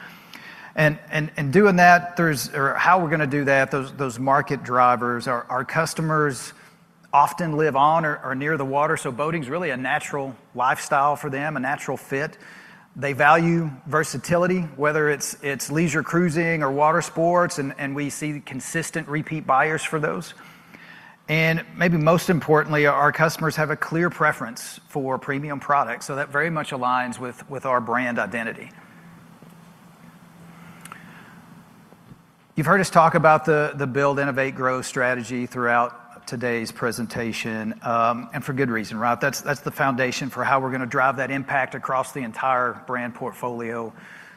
In doing that, there's how we're going to do that, those market drivers. Our customers often live on or near the water, so boating is really a natural lifestyle for them, a natural fit. They value versatility, whether it's leisure cruising or water sports. We see consistent repeat buyers for those. Maybe most importantly, our customers have a clear preference for premium products. That very much aligns with our brand identity. You've heard us talk about the build, innovate, grow strategy throughout today's presentation, and for good reason, right? That's the foundation for how we're going to drive that impact across the entire brand portfolio.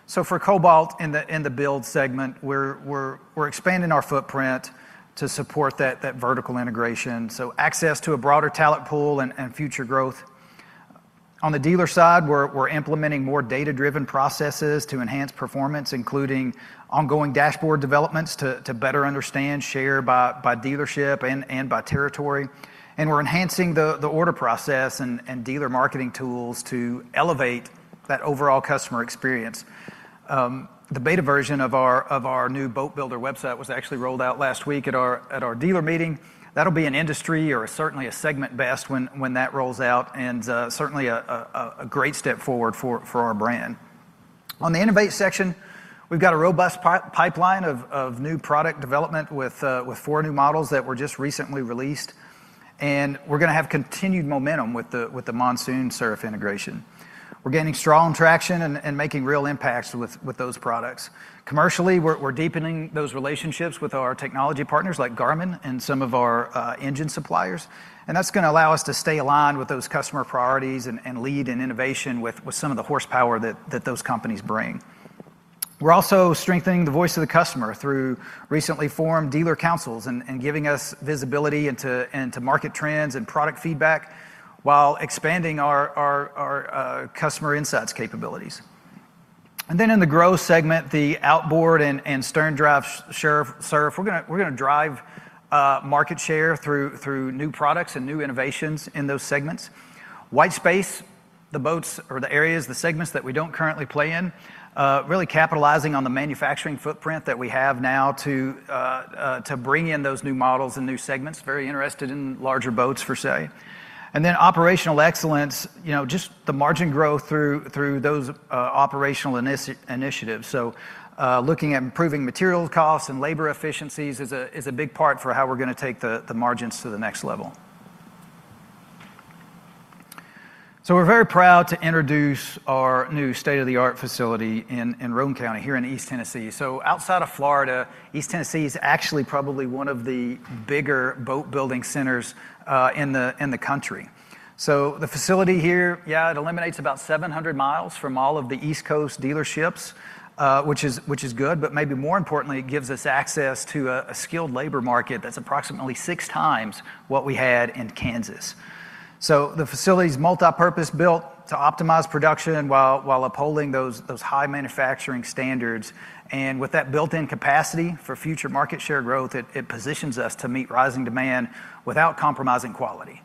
For Cobalt in the build segment, we're expanding our footprint to support that vertical integration. Access to a broader talent pool and future growth. On the dealer side, we're implementing more data-driven processes to enhance performance, including ongoing dashboard developments to better understand share by dealership and by territory. We're enhancing the order process and dealer marketing tools to elevate that overall customer experience. The beta version of our new boat builder website was actually rolled out last week at our dealer meeting. That'll be an industry or certainly a segment best when that rolls out, and certainly a great step forward for our brand. In the innovate section, we've got a robust pipeline of new product development with four new models that were just recently released. We're going to have continued momentum with the monsoon surf integration. We're gaining strong traction and making real impacts with those products. Commercially, we're deepening those relationships with our technology partners like Garmin and some of our engine suppliers. That's going to allow us to stay aligned with those customer priorities and lead in innovation with some of the horsepower that those companies bring. We're also strengthening the voice of the customer through recently formed dealer councils and giving us visibility into market trends and product feedback while expanding our customer insights capabilities. In the growth segment, the outboard and stern drive surf, we're going to drive market share through new products and new innovations in those segments. White space, the boats or the areas, the segments that we don't currently play in, really capitalizing on the manufacturing footprint that we have now to bring in those new models and new segments, very interested in larger boats per se. Operational excellence, just the margin growth through those operational initiatives. Looking at improving material costs and labor efficiencies is a big part for how we're going to take the margins to the next level. We're very proud to introduce our new state-of-the-art facility in Rome County here in East Tennessee. Outside of Florida, East Tennessee is actually probably one of the bigger boat building centers in the country. The facility here eliminates about 700 miles from all of the East Coast dealerships, which is good, but maybe more importantly, it gives us access to a skilled labor market that's approximately six times what we had in Kansas. The facility is multi-purpose built to optimize production while upholding those high manufacturing standards. With that built-in capacity for future market share growth, it positions us to meet rising demand without compromising quality.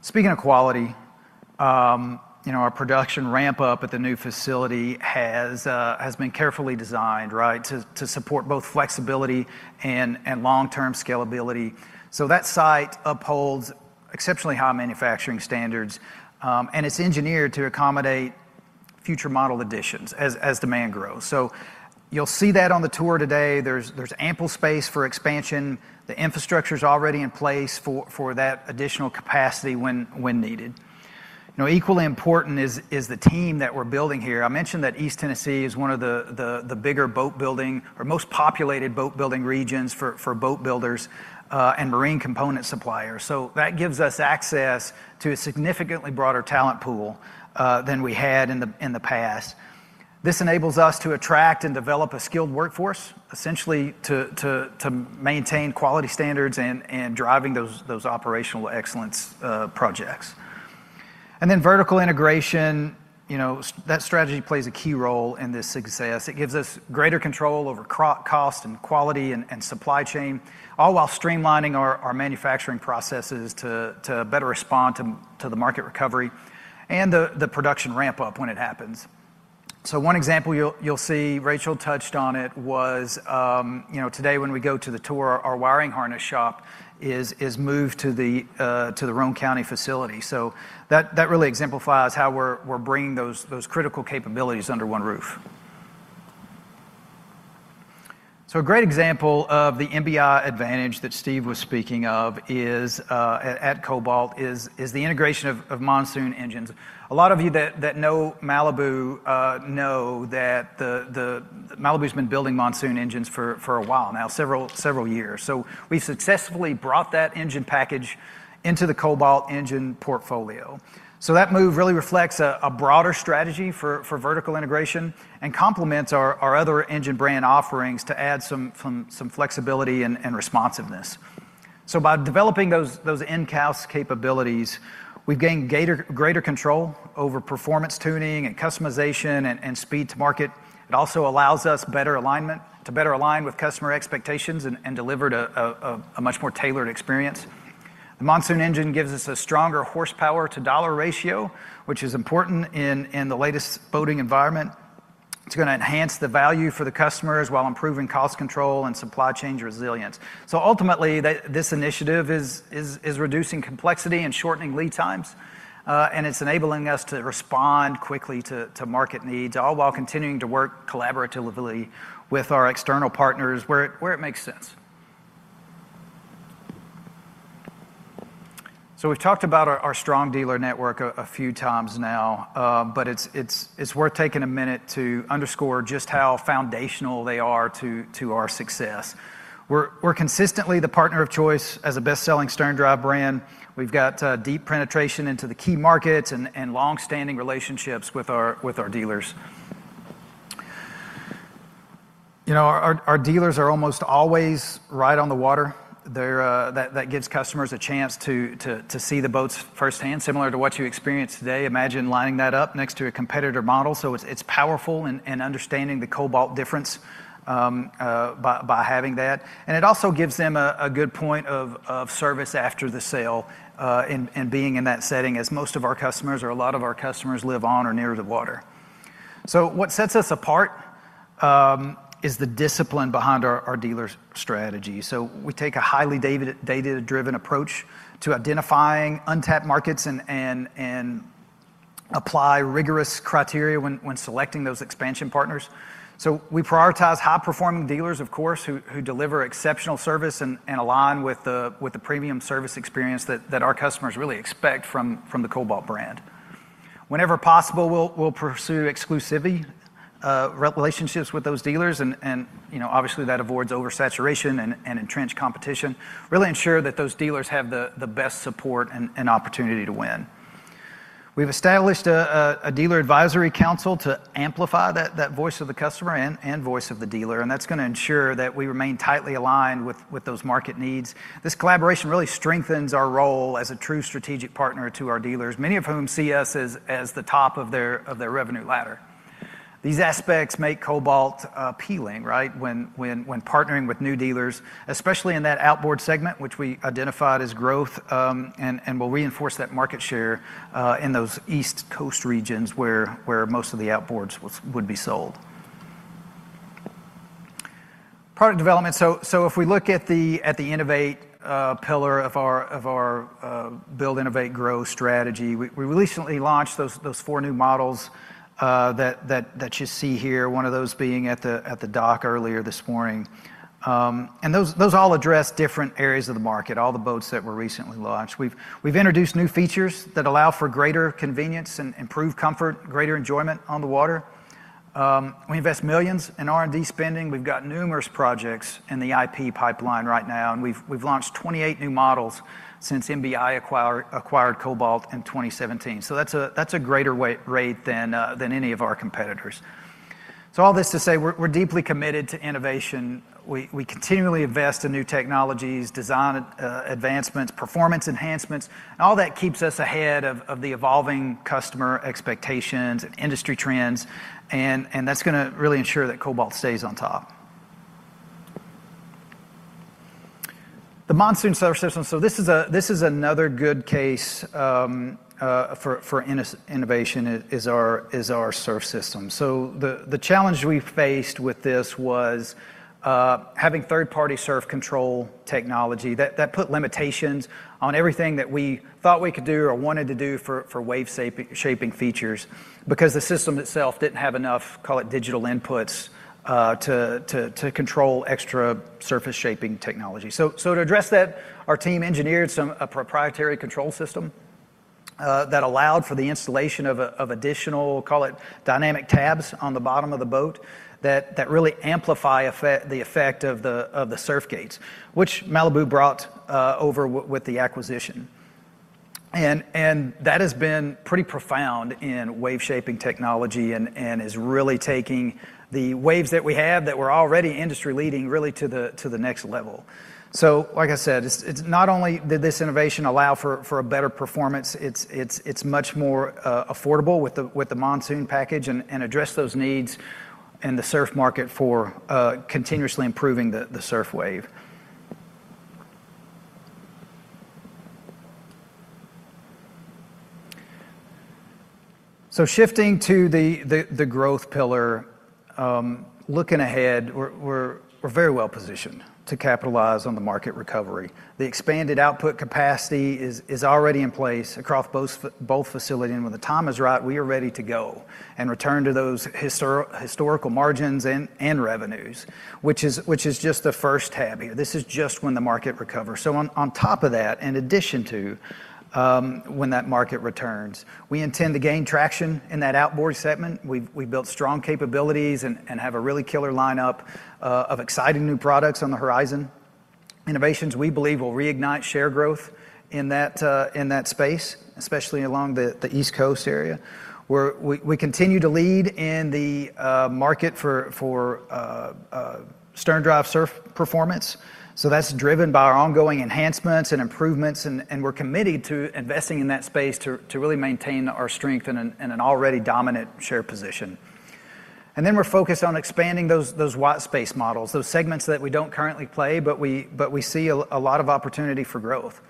Speaking of quality, our production ramp-up at the new facility has been carefully designed to support both flexibility and long-term scalability. That site upholds exceptionally high manufacturing standards, and it's engineered to accommodate future model additions as demand grows. You'll see that on the tour today. There's ample space for expansion. The infrastructure is already in place for that additional capacity when needed. Equally important is the team that we're building here. I mentioned that East Tennessee is one of the bigger boat building or most populated boat building regions for boat builders and marine component suppliers. That gives us access to a significantly broader talent pool than we had in the past. This enables us to attract and develop a skilled workforce, essentially to maintain quality standards and drive those operational excellence projects. Vertical integration, that strategy plays a key role in this success. It gives us greater control over cost and quality and supply chain, all while streamlining our manufacturing processes to better respond to the market recovery and the production ramp-up when it happens. One example you'll see, Rachel touched on it, is today when we go to the tour, our wiring harness shop is moved to the Roane County facility. That really exemplifies how we're bringing those critical capabilities under one roof. A great example of the MBI advantage that Steve was speaking of at Cobalt is the integration of monsoon engines. A lot of you that know Malibu know that Malibu's been building monsoon engines for a while now, several years. We successfully brought that engine package into the Cobalt engine portfolio. That move really reflects a broader strategy for vertical integration and complements our other engine brand offerings to add some flexibility and responsiveness. By developing those in-house capabilities, we've gained greater control over performance tuning and customization and speed to market. It also allows us to better align with customer expectations and deliver a much more tailored experience. The Monsoon engine gives us a stronger horsepower to dollar ratio, which is important in the latest boating environment. It's going to enhance the value for the customers while improving cost control and supply chain resilience. Ultimately, this initiative is reducing complexity and shortening lead times, and it's enabling us to respond quickly to market needs, all while continuing to work collaboratively with our external partners where it makes sense. We've talked about our strong dealer network a few times now, but it's worth taking a minute to underscore just how foundational they are to our success. We're consistently the partner of choice as a best-selling stern drive brand. We've got deep penetration into the key markets and longstanding relationships with our dealers. Our dealers are almost always right on the water. That gives customers a chance to see the boats firsthand, similar to what you experience today. Imagine lining that up next to a competitor model. It's powerful in understanding the Cobalt difference by having that. It also gives them a good point of service after the sale and being in that setting, as most of our customers or a lot of our customers live on or near the water. What sets us apart is the discipline behind our dealer strategy. We take a highly data-driven approach to identifying untapped markets and apply rigorous criteria when selecting those expansion partners. We prioritize high-performing dealers, of course, who deliver exceptional service and align with the premium service experience that our customers really expect from the Cobalt brand. Whenever possible, we'll pursue exclusivity relationships with those dealers, and obviously that avoids oversaturation and entrenched competition, really ensuring that those dealers have the best support and opportunity to win. We've established a dealer advisory council to amplify that voice of the customer and voice of the dealer, and that's going to ensure that we remain tightly aligned with those market needs. This collaboration really strengthens our role as a true strategic partner to our dealers, many of whom see us as the top of their revenue ladder. These aspects make Cobalt appealing, right, when partnering with new dealers, especially in that outboard segment, which we identified as growth and will reinforce that market share in those East Coast regions where most of the outboards would be sold. Product development. If we look at the innovate pillar of our build, innovate, grow strategy, we recently launched those four new models that you see here, one of those being at the dock earlier this morning. Those all address different areas of the market, all the boats that were recently launched. We've introduced new features that allow for greater convenience and improved comfort, greater enjoyment on the water. We invest millions in R&D spending. We've got numerous projects in the IP pipeline right now, and we've launched 28 new models since MBI acquired Cobalt in 2017. That's a greater rate than any of our competitors. All this to say, we're deeply committed to innovation. We continually invest in new technologies, design advancements, performance enhancements, and all that keeps us ahead of the evolving customer expectations, industry trends, and that's going to really ensure that Cobalt stays on top. The Monsoon Surf System. This is another good case for innovation, our surf system. The challenge we faced with this was having third-party surf control technology that put limitations on everything that we thought we could do or wanted to do for wave shaping features because the system itself didn't have enough, call it, digital inputs to control extra surface shaping technology. To address that, our team engineered a proprietary control system that allowed for the installation of additional, call it, dynamic tabs on the bottom of the boat that really amplify the effect of the surf gates, which Malibu brought over with the acquisition. That has been pretty profound in wave shaping technology and is really taking the waves that we have that were already industry-leading really to the next level. It's not only did this innovation allow for a better performance, it's much more affordable with the Monsoon package and addressed those needs in the surf market for continuously improving the surf wave. Shifting to the growth pillar, looking ahead, we're very well positioned to capitalize on the market recovery. The expanded output capacity is already in place across both facilities, and when the time is right, we are ready to go and return to those historical margins and revenues, which is just the first tab here. This is just when the market recovers. In addition to when that market returns, we intend to gain traction in that outboard segment. We've built strong capabilities and have a really killer lineup of exciting new products on the horizon. Innovations we believe will reignite share growth in that space, especially along the East Coast area. We continue to lead in the market for stern drive surf performance. That's driven by our ongoing enhancements and improvements, and we're committed to investing in that space to really maintain our strength in an already dominant share position. We're focused on expanding those white space models, those segments that we don't currently play, but we see a lot of opportunity for growth.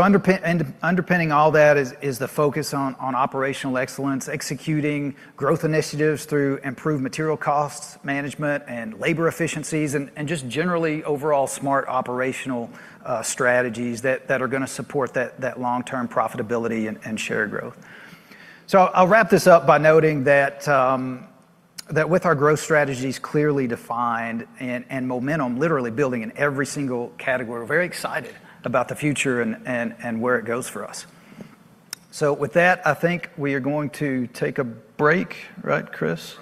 Underpinning all that is the focus on operational excellence, executing growth initiatives through improved material cost management and labor efficiencies, and just generally overall smart operational strategies that are going to support that long-term profitability and share growth. I'll wrap this up by noting that with our growth strategies clearly defined and momentum literally building in every single category, we're very excited about the future and where it goes for us. With that, I think we are going to take a break, right, Chris?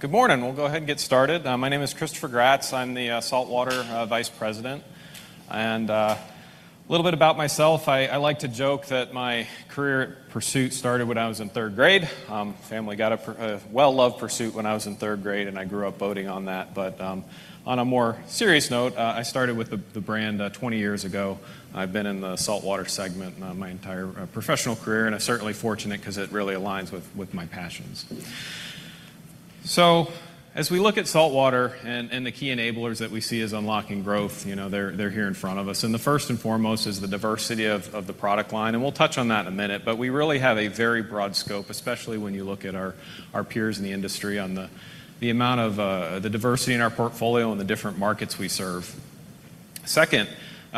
Break returning around 11:10 A.M. Just a quick reminder to use the QR codes at your video. All right. Good morning. We'll go ahead and get started. My name is Christopher Gratz. I'm the Saltwater Vice President. A little bit about myself, I like to joke that my career pursuit started when I was in third grade. Family got a well-loved Pursuit when I was in third grade, and I grew up boating on that. On a more serious note, I started with the brand 20 years ago. I've been in the saltwater segment my entire professional career, and I'm certainly fortunate because it really aligns with my passions. As we look at saltwater and the key enablers that we see as unlocking growth, you know they're here in front of us. The first and foremost is the diversity of the product line. We'll touch on that in a minute. We really have a very broad scope, especially when you look at our peers in the industry on the amount of the diversity in our portfolio and the different markets we serve. Second,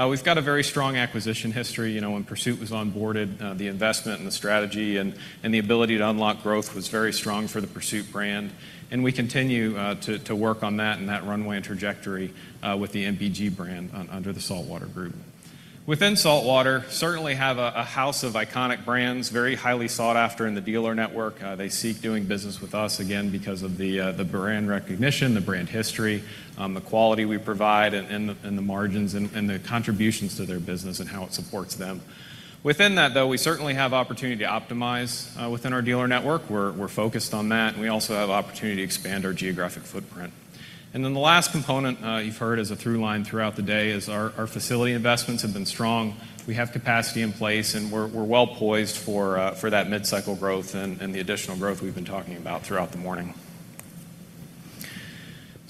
we've got a very strong acquisition history. When Pursuit was onboarded, the investment and the strategy and the ability to unlock growth was very strong for the Pursuit brand. We continue to work on that and that runway and trajectory with the MPG brand under the Saltwater Group. Within Saltwater, we certainly have a house of iconic brands, very highly sought after in the dealer network. They seek doing business with us, again, because of the brand recognition, the brand history, the quality we provide, and the margins and the contributions to their business and how it supports them. Within that, though, we certainly have opportunity to optimize within our dealer network. We're focused on that. We also have the opportunity to expand our geographic footprint. The last component you've heard is a through line throughout the day. Our facility investments have been strong. We have capacity in place. We're well poised for that mid-cycle growth and the additional growth we've been talking about throughout the morning.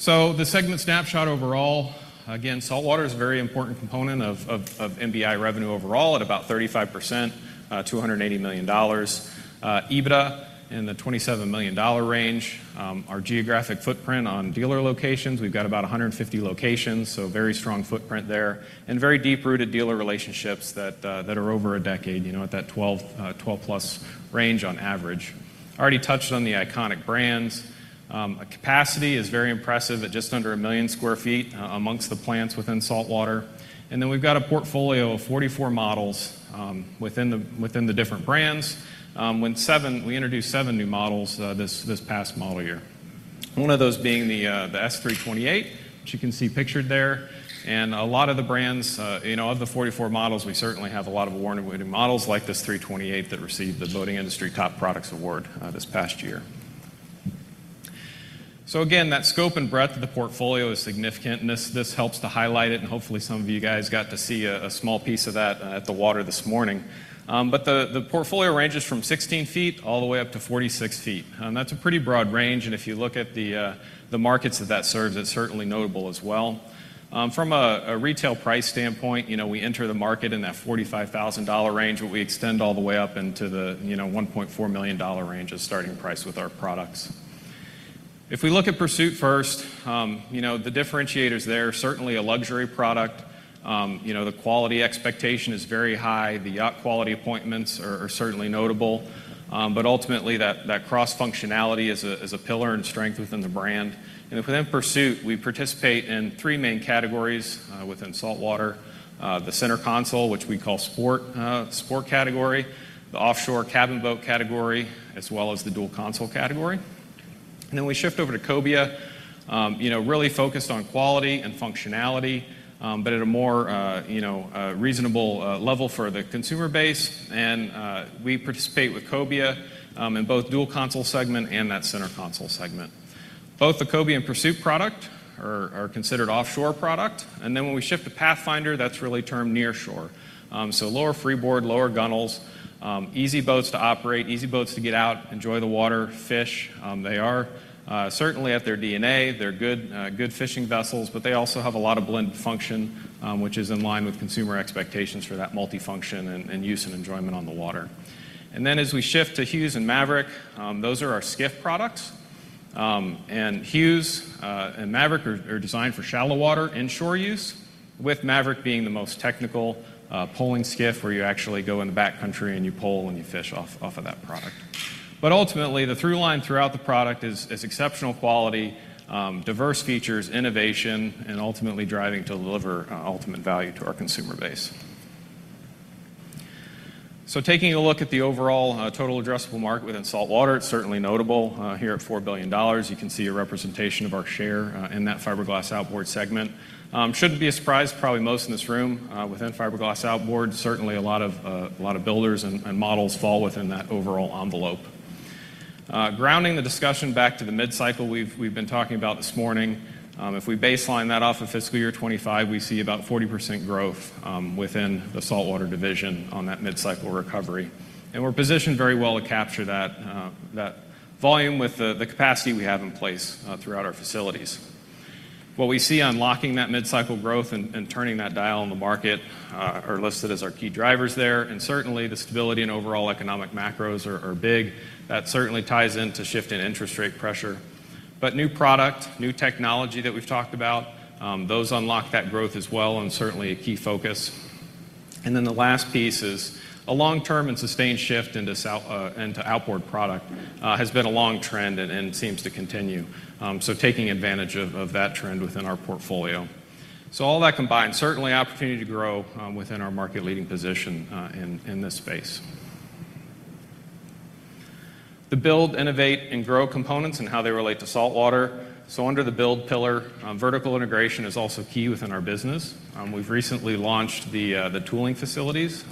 The segment snapshot overall, again, saltwater is a very important component of MBI revenue overall at about 35%, $280 million. EBITDA in the $27 million range. Our geographic footprint on dealer locations, we've got about 150 locations, so a very strong footprint there, and very deep-rooted dealer relationships that are over a decade, at that 12-plus range on average. I already touched on the iconic brands. Our capacity is very impressive at just under a million square feet amongst the plants within saltwater. We've got a portfolio of 44 models within the different brands. We introduced seven new models this past model year, one of those being the S328, which you can see pictured there. A lot of the brands, of the 44 models, we certainly have a lot of award-winning models like this 328 that received the Boating Industry Top Products Award this past year. That scope and breadth of the portfolio is significant. This helps to highlight it. Hopefully, some of you guys got to see a small piece of that at the water this morning. The portfolio ranges from 16 feet all the way up to 46 feet. That's a pretty broad range. If you look at the markets that that serves, it's certainly notable as well. From a retail price standpoint, you know, we enter the market in that $45,000 range, but we extend all the way up into the $1.4 million range as starting price with our products. If we look at Pursuit first, the differentiators there are certainly a luxury product. The quality expectation is very high. The yacht quality appointments are certainly notable. Ultimately, that cross-functionality is a pillar and strength within the brand. Within Pursuit, we participate in three main categories within saltwater: the center console, which we call the sport category, the offshore cabin boat category, as well as the dual console category. We shift over to Cobia, really focused on quality and functionality, but at a more reasonable level for the consumer base. We participate with Cobia in both the dual console segment and that center console segment. Both the Cobia and Pursuit products are considered offshore products. When we shift to Pathfinder, that's really termed nearshore, so lower freeboard, lower gunnels, easy boats to operate, easy boats to get out, enjoy the water, fish. They are certainly at their DNA. They're good fishing vessels, but they also have a lot of blended function, which is in line with consumer expectations for that multifunction and use and enjoyment on the water. As we shift to Hewes and Maverick, those are our skiff products. Hewes and Maverick are designed for shallow water inshore use, with Maverick being the most technical poling skiff where you actually go in the backcountry and you pole and you fish off of that product. Ultimately, the through line throughout the product is exceptional quality, diverse features, innovation, and ultimately driving to deliver ultimate value to our consumer base. Taking a look at the overall total addressable market within saltwater, it's certainly notable here at $4 billion. You can see a representation of our share in that fiberglass outboard segment. It shouldn't be a surprise, probably most in this room, within fiberglass outboards, certainly a lot of builders and models fall within that overall envelope. Grounding the discussion back to the mid-cycle we've been talking about this morning, if we baseline that off of fiscal year 2025, we see about 40% growth within the saltwater division on that mid-cycle recovery. We're positioned very well to capture that volume with the capacity we have in place throughout our facilities. What we see unlocking that mid-cycle growth and turning that dial in the market are listed as our key drivers there. Certainly, the stability and overall economic macros are big. That certainly ties into shift in interest rate pressure. New product, new technology that we've talked about, those unlock that growth as well and certainly a key focus. The last piece is a long-term and sustained shift into outboard product, which has been a long trend and seems to continue, so taking advantage of that trend within our portfolio. All that combined, certainly opportunity to grow within our market-leading position in this space. The build, innovate, and grow components and how they relate to saltwater. Under the build pillar, vertical integration is also key within our business. We've recently launched the tooling facilities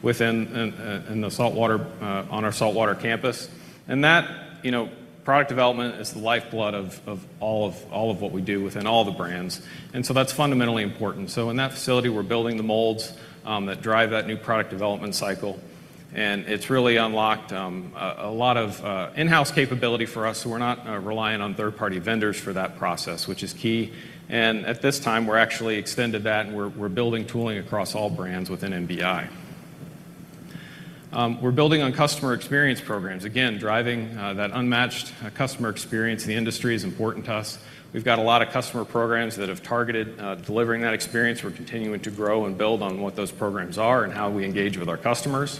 within the saltwater on our saltwater campus. Product development is the lifeblood of all of what we do within all the brands, so that's fundamentally important. In that facility, we're building the molds that drive that new product development cycle, and it's really unlocked a lot of in-house capability for us. We're not reliant on third-party vendors for that process, which is key. At this time, we've actually extended that, and we're building tooling across all brands within Malibu Boats, Inc. We're building on customer experience programs. Driving that unmatched customer experience in the industry is important to us. We've got a lot of customer programs that have targeted delivering that experience. We're continuing to grow and build on what those programs are and how we engage with our customers.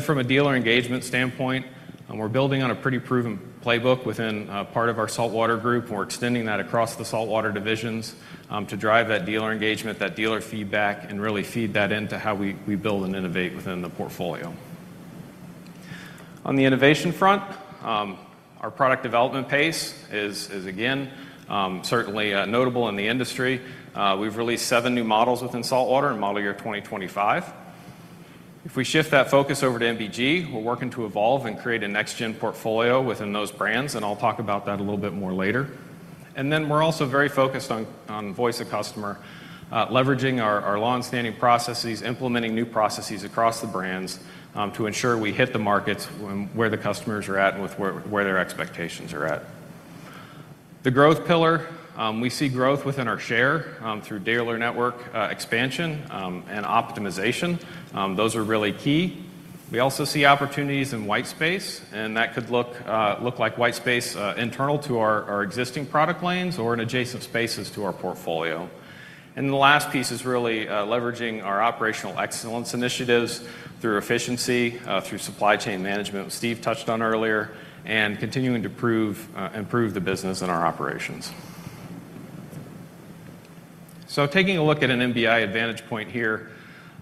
From a dealer engagement standpoint, we're building on a pretty proven playbook within part of our saltwater group, and we're extending that across the saltwater divisions to drive that dealer engagement, that dealer feedback, and really feed that into how we build and innovate within the portfolio. On the innovation front, our product development pace is, again, certainly notable in the industry. We've released seven new models within saltwater in model year 2025. If we shift that focus over to MPG, we're working to evolve and create a next-gen portfolio within those brands. I'll talk about that a little bit more later. We're also very focused on voice of customer, leveraging our longstanding processes, implementing new processes across the brands to ensure we hit the markets where the customers are at and where their expectations are at. The growth pillar, we see growth within our share through dealer network expansion and optimization. Those are really key. We also see opportunities in white space. That could look like white space internal to our existing product lanes or in adjacent spaces to our portfolio. The last piece is really leveraging our operational excellence initiatives through efficiency, through supply chain management, which Steve touched on earlier, and continuing to improve the business and our operations. Taking a look at an MBI advantage point here,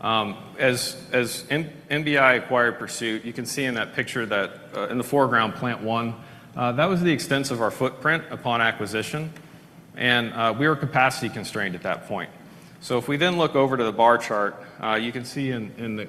as MBI acquired Pursuit, you can see in that picture that in the foreground, plant one, that was the extent of our footprint upon acquisition. We were capacity constrained at that point. If we then look over to the bar chart, you can see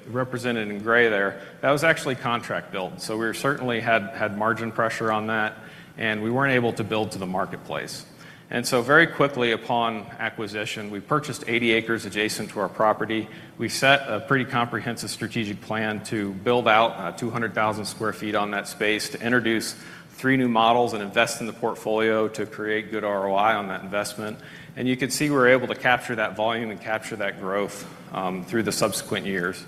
represented in gray there, that was actually contract built. We certainly had margin pressure on that. We weren't able to build to the marketplace. Very quickly upon acquisition, we purchased 80 acres adjacent to our property. We set a pretty comprehensive strategic plan to build out 200,000 square feet on that space to introduce three new models and invest in the portfolio to create good ROI on that investment. You can see we were able to capture that volume and capture that growth through the subsequent years.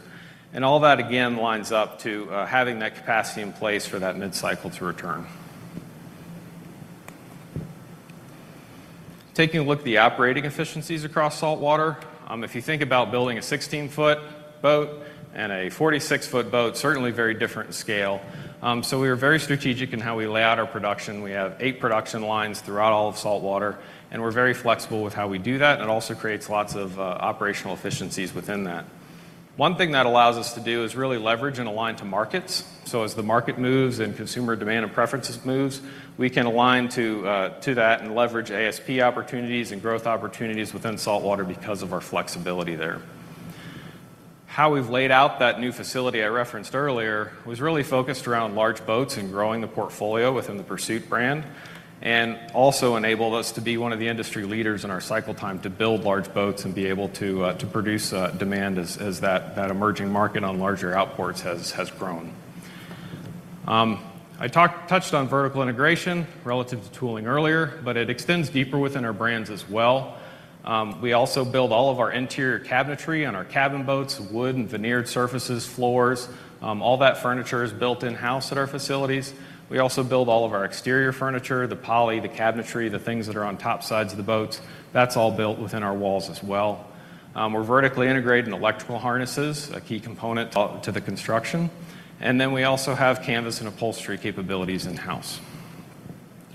All that, again, lines up to having that capacity in place for that mid-cycle to return. Taking a look at the operating efficiencies across saltwater, if you think about building a 16-foot boat and a 46-foot boat, certainly very different scale. We are very strategic in how we lay out our production. We have eight production lines throughout all of saltwater. We're very flexible with how we do that. It also creates lots of operational efficiencies within that. One thing that allows us to do is really leverage and align to markets. As the market moves and consumer demand and preferences move, we can align to that and leverage ASP opportunities and growth opportunities within saltwater because of our flexibility there. How we've laid out that new facility I referenced earlier was really focused around large boats and growing the portfolio within the Pursuit brand, and also enabled us to be one of the industry leaders in our cycle time to build large boats and be able to produce demand as that emerging market on larger outboards has grown. I touched on vertical integration relative to tooling earlier, but it extends deeper within our brands as well. We also build all of our interior cabinetry and our cabin boats, wood and veneered surfaces, floors. All that furniture is built in-house at our facilities. We also build all of our exterior furniture, the poly, the cabinetry, the things that are on top sides of the boats. That's all built within our walls as well. We're vertically integrating electrical harnesses, a key component to the construction. We also have canvas and upholstery capabilities in-house.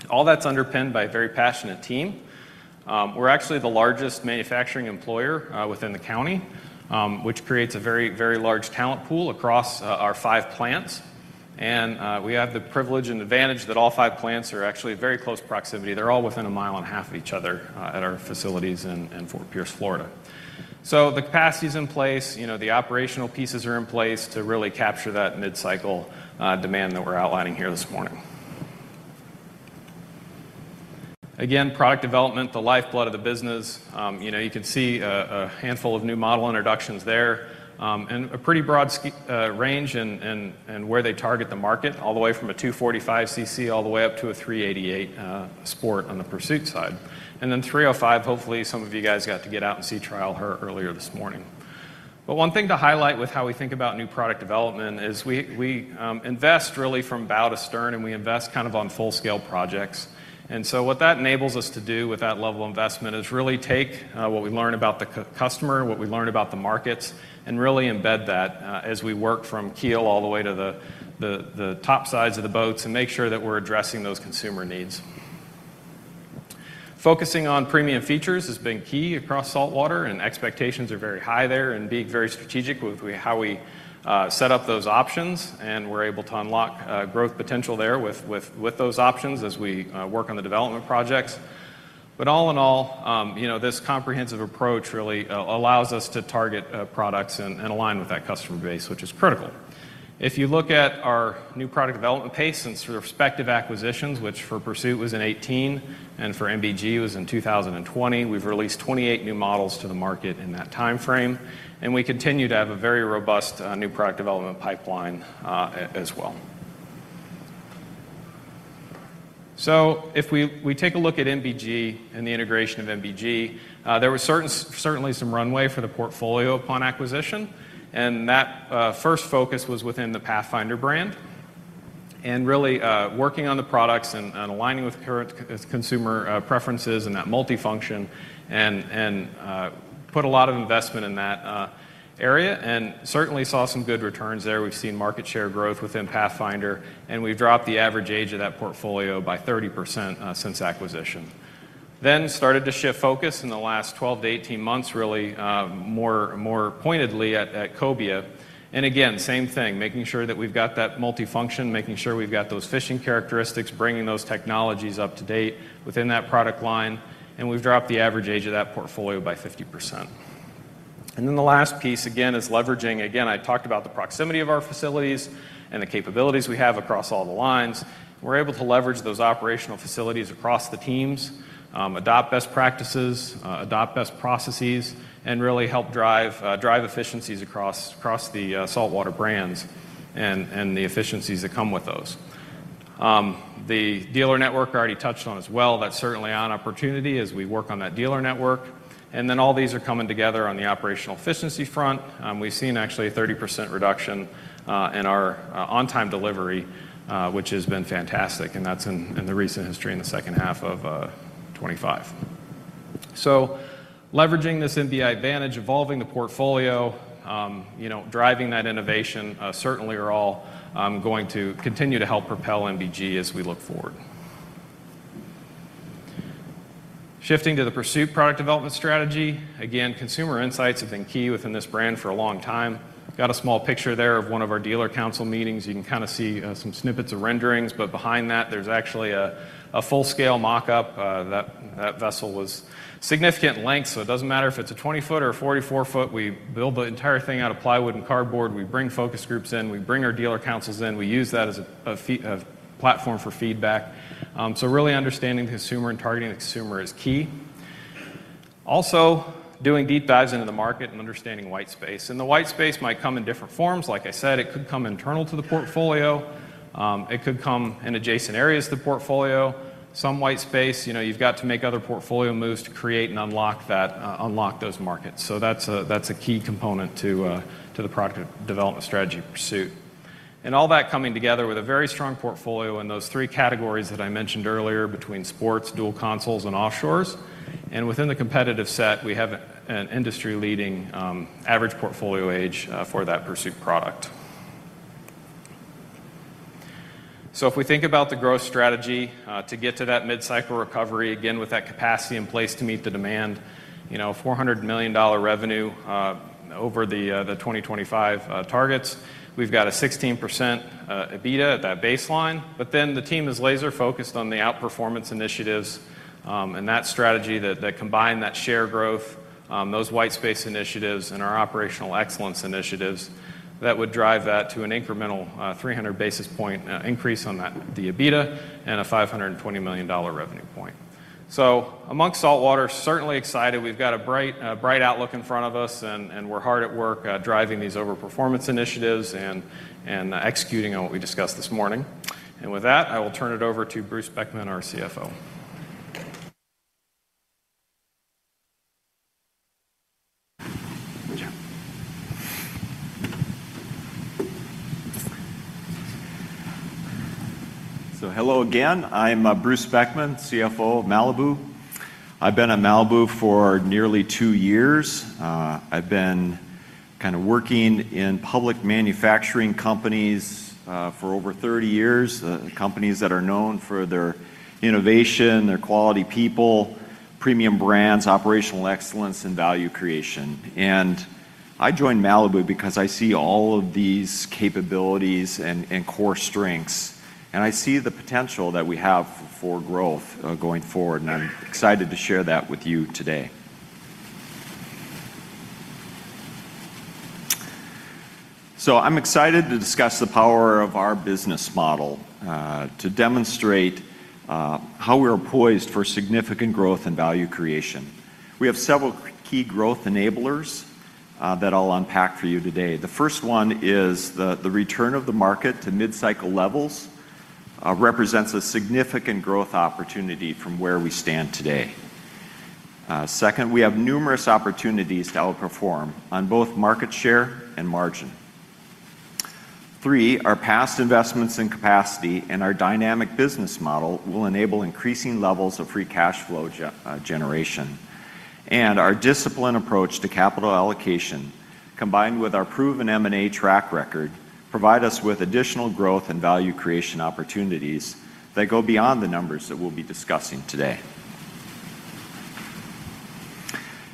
All that's underpinned by a very passionate team. We're actually the largest manufacturing employer within the county, which creates a very, very large talent pool across our five plants. We have the privilege and advantage that all five plants are actually in very close proximity. They're all within a mile and a half of each other at our facilities in Fort Pierce, Florida. The capacity is in place. The operational pieces are in place to really capture that mid-cycle demand that we're outlining here this morning. Product development, the lifeblood of the business. You can see a handful of new model introductions there and a pretty broad range in where they target the market, all the way from a 245cc all the way up to a 388 sport on the Pursuit side. The 305, hopefully, some of you guys got to get out and see trial her earlier this morning. One thing to highlight with how we think about new product development is we invest really from bow to stern. We invest kind of on full-scale projects. What that enables us to do with that level of investment is really take what we learn about the customer, what we learn about the markets, and really embed that as we work from keel all the way to the top sides of the boats and make sure that we're addressing those consumer needs. Focusing on premium features has been key across saltwater. Expectations are very high there. Being very strategic with how we set up those options, we're able to unlock growth potential there with those options as we work on the development projects. All in all, this comprehensive approach really allows us to target products and align with that customer base, which is critical. If you look at our new product development pace since respective acquisitions, which for Pursuit was in 2018 and for MPG was in 2020, we've released 28 new models to the market in that time frame. We continue to have a very robust new product development pipeline as well. If we take a look at MPG and the integration of MPG, there was certainly some runway for the portfolio upon acquisition. That first focus was within the Pathfinder brand and really working on the products and aligning with current consumer preferences and that multifunction, and put a lot of investment in that area and certainly saw some good returns there. We've seen market share growth within Pathfinder, and we've dropped the average age of that portfolio by 30% since acquisition. Focus started to shift in the last 12 to 18 months, really more pointedly at Cobia. Again, same thing, making sure that we've got that multifunction, making sure we've got those fishing characteristics, bringing those technologies up to date within that product line. We've dropped the average age of that portfolio by 50%. The last piece, again, is leveraging. I talked about the proximity of our facilities and the capabilities we have across all the lines. We're able to leverage those operational facilities across the teams, adopt best practices, adopt best processes, and really help drive efficiencies across the saltwater brands and the efficiencies that come with those. The dealer network I already touched on as well, that's certainly an opportunity as we work on that dealer network. All these are coming together on the operational efficiency front. We've seen actually a 30% reduction in our on-time delivery, which has been fantastic. That's in the recent history in the second half of 2025. Leveraging this MBI advantage, evolving the portfolio, driving that innovation certainly are all going to continue to help propel MPG as we look forward. Shifting to the Pursuit product development strategy, consumer insights have been key within this brand for a long time. I've got a small picture there of one of our dealer council meetings. You can kind of see some snippets of renderings. Behind that, there's actually a full-scale mockup. That vessel was significant in length. It doesn't matter if it's a 20-foot or a 44-foot. We build the entire thing out of plywood and cardboard. We bring focus groups in. We bring our dealer councils in. We use that as a platform for feedback. Really understanding the consumer and targeting the consumer is key. Also, doing deep dives into the market and understanding white space. The white space might come in different forms. Like I said, it could come internal to the portfolio. It could come in adjacent areas to the portfolio. Some white space, you know, you've got to make other portfolio moves to create and unlock those markets. That's a key component to the product development strategy of Pursuit. All that coming together with a very strong portfolio in those three categories that I mentioned earlier between sports, dual consoles, and offshores. Within the competitive set, we have an industry-leading average portfolio age for that Pursuit product. If we think about the growth strategy to get to that mid-cycle recovery, again, with that capacity in place to meet the demand, $400 million revenue over the 2025 targets, we've got a 16% EBITDA at that baseline. The team is laser-focused on the outperformance initiatives and that strategy that combines that share growth, those white space initiatives, and our operational excellence initiatives that would drive that to an incremental 300 basis point increase on that EBITDA and a $520 million revenue point. Amongst saltwater, certainly excited. We've got a bright outlook in front of us. We're hard at work driving these overperformance initiatives and executing on what we discussed this morning. With that, I will turn it over to Bruce Beckman, our CFO. Hello again. I'm Bruce Beckman, CFO of Malibu. I've been at Malibu for nearly two years. I've been working in public manufacturing companies for over 30 years, companies that are known for their innovation, their quality people, premium brands, operational excellence, and value creation. I joined Malibu because I see all of these capabilities and core strengths. I see the potential that we have for growth going forward. I'm excited to share that with you today. I'm excited to discuss the power of our business model to demonstrate how we are poised for significant growth and value creation. We have several key growth enablers that I'll unpack for you today. The first one is the return of the market to mid-cycle levels represents a significant growth opportunity from where we stand today. Second, we have numerous opportunities to outperform on both market share and margin. Three, our past investments in capacity and our dynamic business model will enable increasing levels of free cash flow generation. Our disciplined approach to capital allocation, combined with our proven M&A track record, provide us with additional growth and value creation opportunities that go beyond the numbers that we'll be discussing today.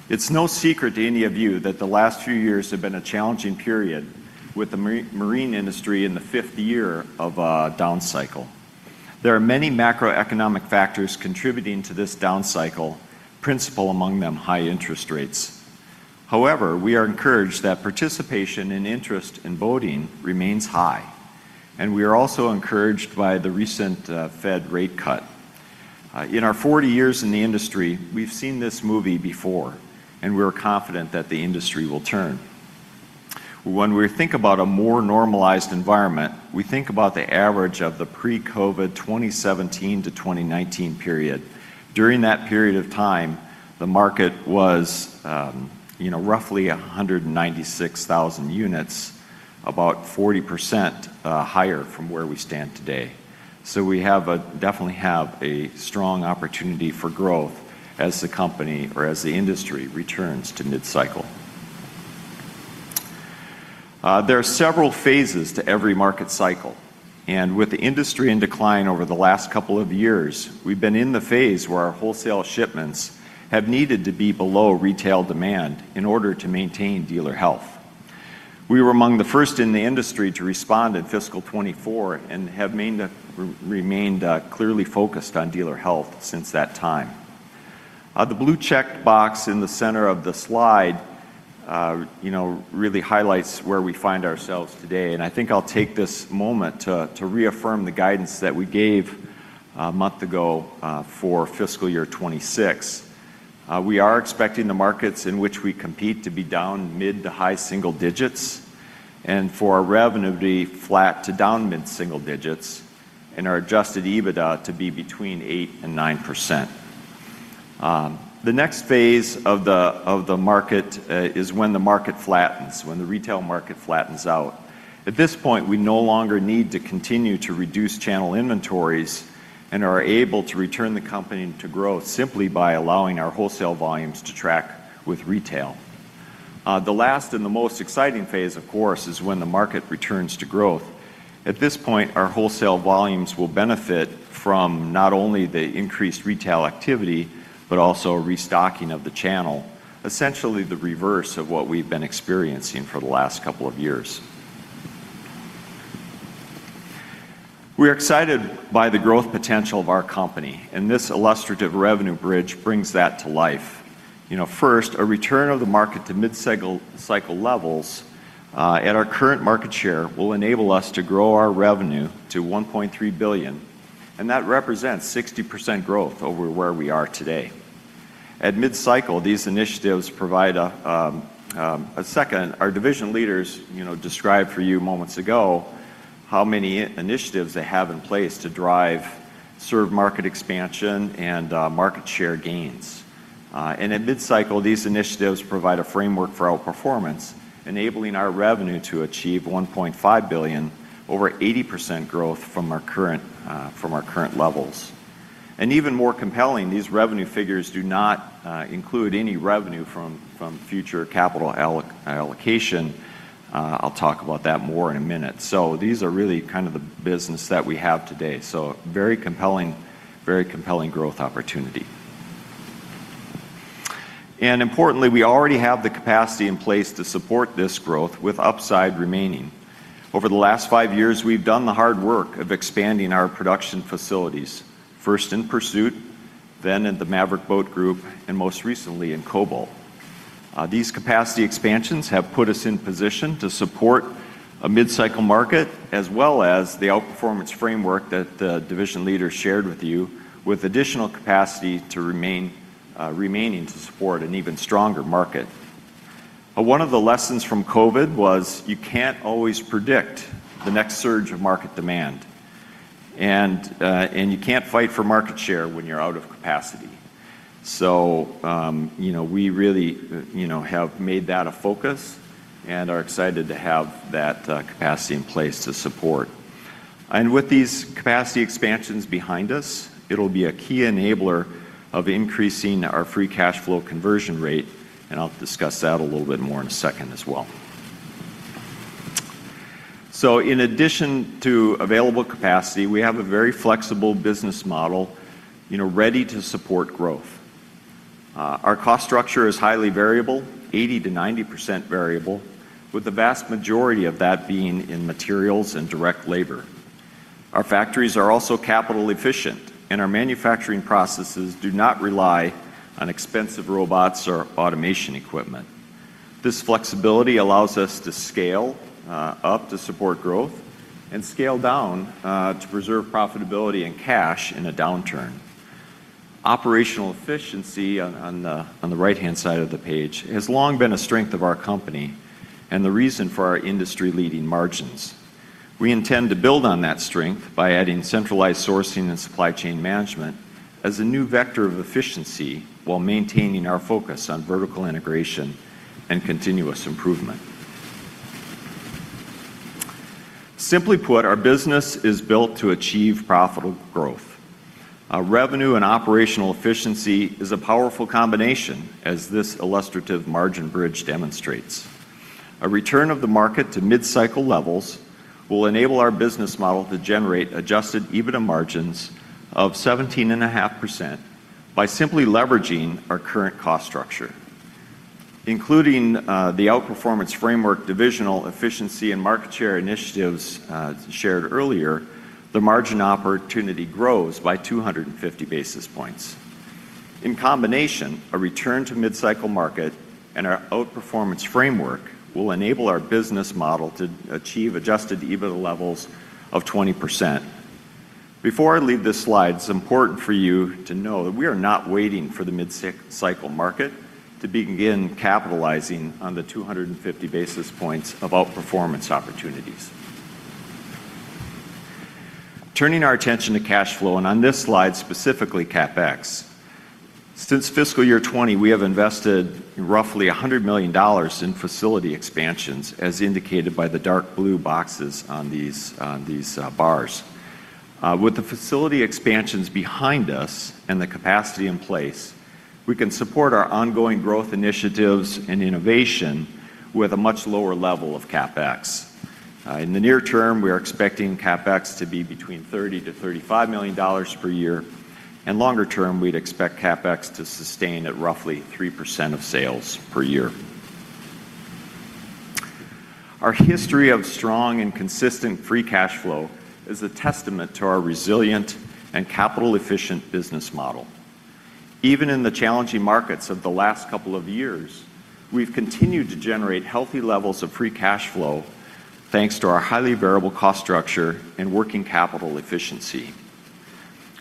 It's no secret to any of you that the last few years have been a challenging period with the marine industry in the fifth year of a down cycle. There are many macroeconomic factors contributing to this down cycle, principal among them high interest rates. However, we are encouraged that participation and interest in boating remains high. We are also encouraged by the recent Fed rate cut. In our 40 years in the industry, we've seen this movie before. We are confident that the industry will turn. When we think about a more normalized environment, we think about the average of the pre-COVID 2017 to 2019 period. During that period of time, the market was roughly 196,000 units, about 40% higher from where we stand today. We definitely have a strong opportunity for growth as the company or as the industry returns to mid-cycle. There are several phases to every market cycle. With the industry in decline over the last couple of years, we've been in the phase where our wholesale shipments have needed to be below retail demand in order to maintain dealer health. We were among the first in the industry to respond in fiscal 2024 and have remained clearly focused on dealer health since that time. The blue checkbox in the center of the slide really highlights where we find ourselves today. I think I'll take this moment to reaffirm the guidance that we gave a month ago for fiscal year 2026. We are expecting the markets in which we compete to be down mid to high single digits and for our revenue to be flat to down mid-single digits and our adjusted EBITDA to be between 8% and 9%. The next phase of the market is when the market flattens, when the retail market flattens out. At this point, we no longer need to continue to reduce channel inventories and are able to return the company to growth simply by allowing our wholesale volumes to track with retail. The last and the most exciting phase, of course, is when the market returns to growth. At this point, our wholesale volumes will benefit from not only the increased retail activity but also restocking of the channel, essentially the reverse of what we've been experiencing for the last couple of years. We are excited by the growth potential of our company. This illustrative revenue bridge brings that to life. First, a return of the market to mid-cycle levels at our current market share will enable us to grow our revenue to $1.3 billion. That represents 60% growth over where we are today. At mid-cycle, these initiatives provide a second. Our division leaders described for you moments ago how many initiatives they have in place to drive serve market expansion and market share gains. At mid-cycle, these initiatives provide a framework for outperformance, enabling our revenue to achieve $1.5 billion, over 80% growth from our current levels. Even more compelling, these revenue figures do not include any revenue from future capital allocation. I'll talk about that more in a minute. These are really kind of the business that we have today. Very compelling, very compelling growth opportunity. Importantly, we already have the capacity in place to support this growth with upside remaining. Over the last five years, we've done the hard work of expanding our production facilities, first in Pursuit, then in the Maverick Boat Group, and most recently in Cobalt. These capacity expansions have put us in position to support a mid-cycle market as well as the outperformance framework that the division leaders shared with you, with additional capacity remaining to support an even stronger market. One of the lessons from COVID was you can't always predict the next surge of market demand. You can't fight for market share when you're out of capacity. We really have made that a focus and are excited to have that capacity in place to support. With these capacity expansions behind us, it'll be a key enabler of increasing our free cash flow conversion rate. I'll discuss that a little bit more in a second as well. In addition to available capacity, we have a very flexible business model, you know, ready to support growth. Our cost structure is highly variable, 80%-90% variable, with the vast majority of that being in materials and direct labor. Our factories are also capital efficient, and our manufacturing processes do not rely on expensive robots or automation equipment. This flexibility allows us to scale up to support growth and scale down to preserve profitability and cash in a downturn. Operational efficiency on the right-hand side of the page has long been a strength of our company and the reason for our industry-leading margins. We intend to build on that strength by adding centralized sourcing and supply chain management as a new vector of efficiency while maintaining our focus on vertical integration and continuous improvement. Simply put, our business is built to achieve profitable growth. Revenue and operational efficiency is a powerful combination, as this illustrative margin bridge demonstrates. A return of the market to mid-cycle levels will enable our business model to generate adjusted EBITDA margins of 17.5% by simply leveraging our current cost structure. Including the outperformance framework, divisional efficiency, and market share initiatives shared earlier, the margin opportunity grows by 250 basis points. In combination, a return to mid-cycle market and our outperformance framework will enable our business model to achieve adjusted EBITDA levels of 20%. Before I leave this slide, it's important for you to know that we are not waiting for the mid-cycle market to begin capitalizing on the 250 basis points of outperformance opportunities. Turning our attention to cash flow, and on this slide specifically, CapEx. Since fiscal year 2020, we have invested roughly $100 million in facility expansions, as indicated by the dark blue boxes on these bars. With the facility expansions behind us and the capacity in place, we can support our ongoing growth initiatives and innovation with a much lower level of CapEx. In the near term, we are expecting CapEx to be between $30 million-$35 million per year. Longer term, we'd expect CapEx to sustain at roughly 3% of sales per year. Our history of strong and consistent free cash flow is a testament to our resilient and capital-efficient business model. Even in the challenging markets of the last couple of years, we've continued to generate healthy levels of free cash flow thanks to our highly variable cost structure and working capital efficiency.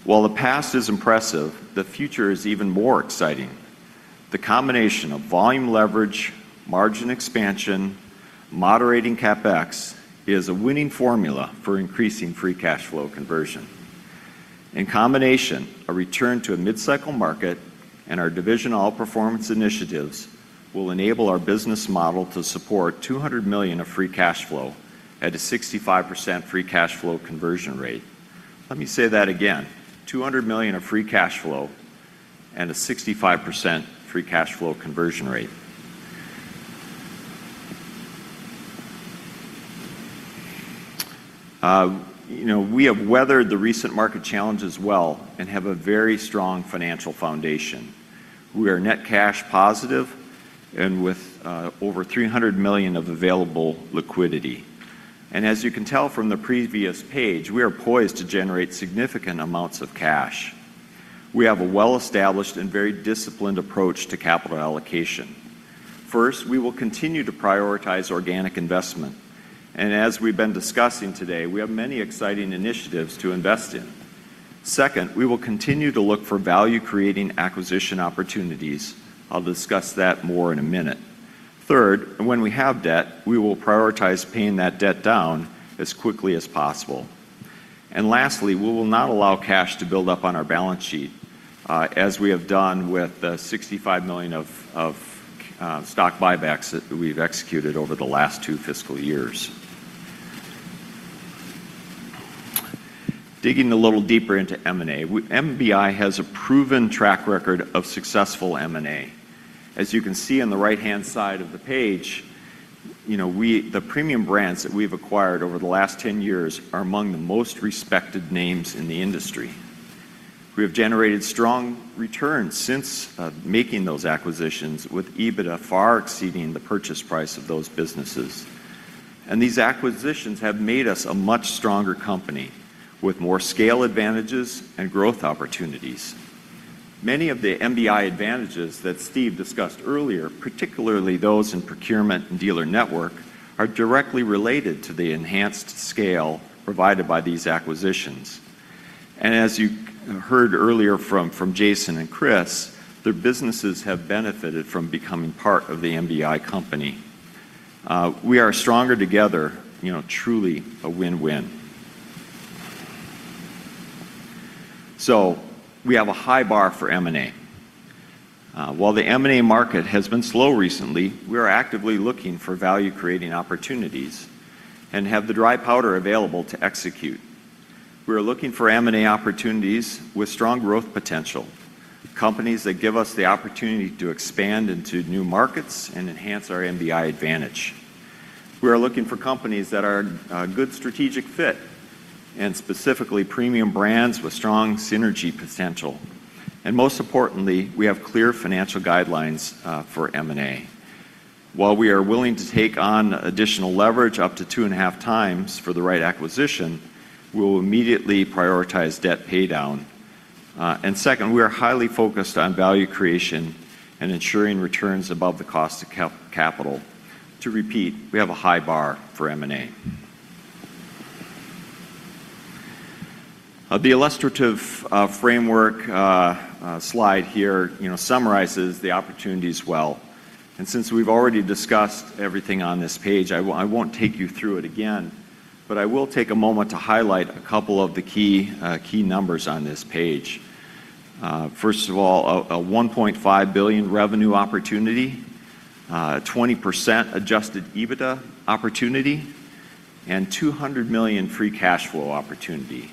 While the past is impressive, the future is even more exciting. The combination of volume leverage, margin expansion, and moderating CapEx is a winning formula for increasing free cash flow conversion. In combination, a return to a mid-cycle market and our division all-performance initiatives will enable our business model to support $200 million of free cash flow at a 65% free cash flow conversion rate. Let me say that again, $200 million of free cash flow and a 65% free cash flow conversion rate. We have weathered the recent market challenges well and have a very strong financial foundation. We are net cash positive with over $300 million of available liquidity. As you can tell from the previous page, we are poised to generate significant amounts of cash. We have a well-established and very disciplined approach to capital allocation. First, we will continue to prioritize organic investment. As we've been discussing today, we have many exciting initiatives to invest in. Second, we will continue to look for value-creating acquisition opportunities. I'll discuss that more in a minute. Third, when we have debt, we will prioritize paying that debt down as quickly as possible. Lastly, we will not allow cash to build up on our balance sheet, as we have done with the $65 million of stock buybacks that we've executed over the last two fiscal years. Digging a little deeper into M&A, Malibu Boats, Inc. has a proven track record of successful M&A. As you can see on the right-hand side of the page, the premium brands that we've acquired over the last 10 years are among the most respected names in the industry. We have generated strong returns since making those acquisitions, with EBITDA far exceeding the purchase price of those businesses. These acquisitions have made us a much stronger company with more scale advantages and growth opportunities. Many of the MBI advantages that Steve discussed earlier, particularly those in procurement and dealer network, are directly related to the enhanced scale provided by these acquisitions. As you heard earlier from Jason and Chris, their businesses have benefited from becoming part of the MBI company. We are stronger together, truly a win-win. We have a high bar for M&A. While the M&A market has been slow recently, we are actively looking for value-creating opportunities and have the dry powder available to execute. We are looking for M&A opportunities with strong growth potential, companies that give us the opportunity to expand into new markets and enhance our MBI advantage. We are looking for companies that are a good strategic fit and specifically premium brands with strong synergy potential. Most importantly, we have clear financial guidelines for M&A. While we are willing to take on additional leverage up to 2.5x for the right acquisition, we will immediately prioritize debt paydown. We are highly focused on value creation and ensuring returns above the cost of capital. To repeat, we have a high bar for M&A. The illustrative framework slide here summarizes the opportunities well. Since we've already discussed everything on this page, I won't take you through it again. I will take a moment to highlight a couple of the key numbers on this page. First of all, a $1.5 billion revenue opportunity, a 20% adjusted EBITDA opportunity, and $200 million free cash flow opportunity.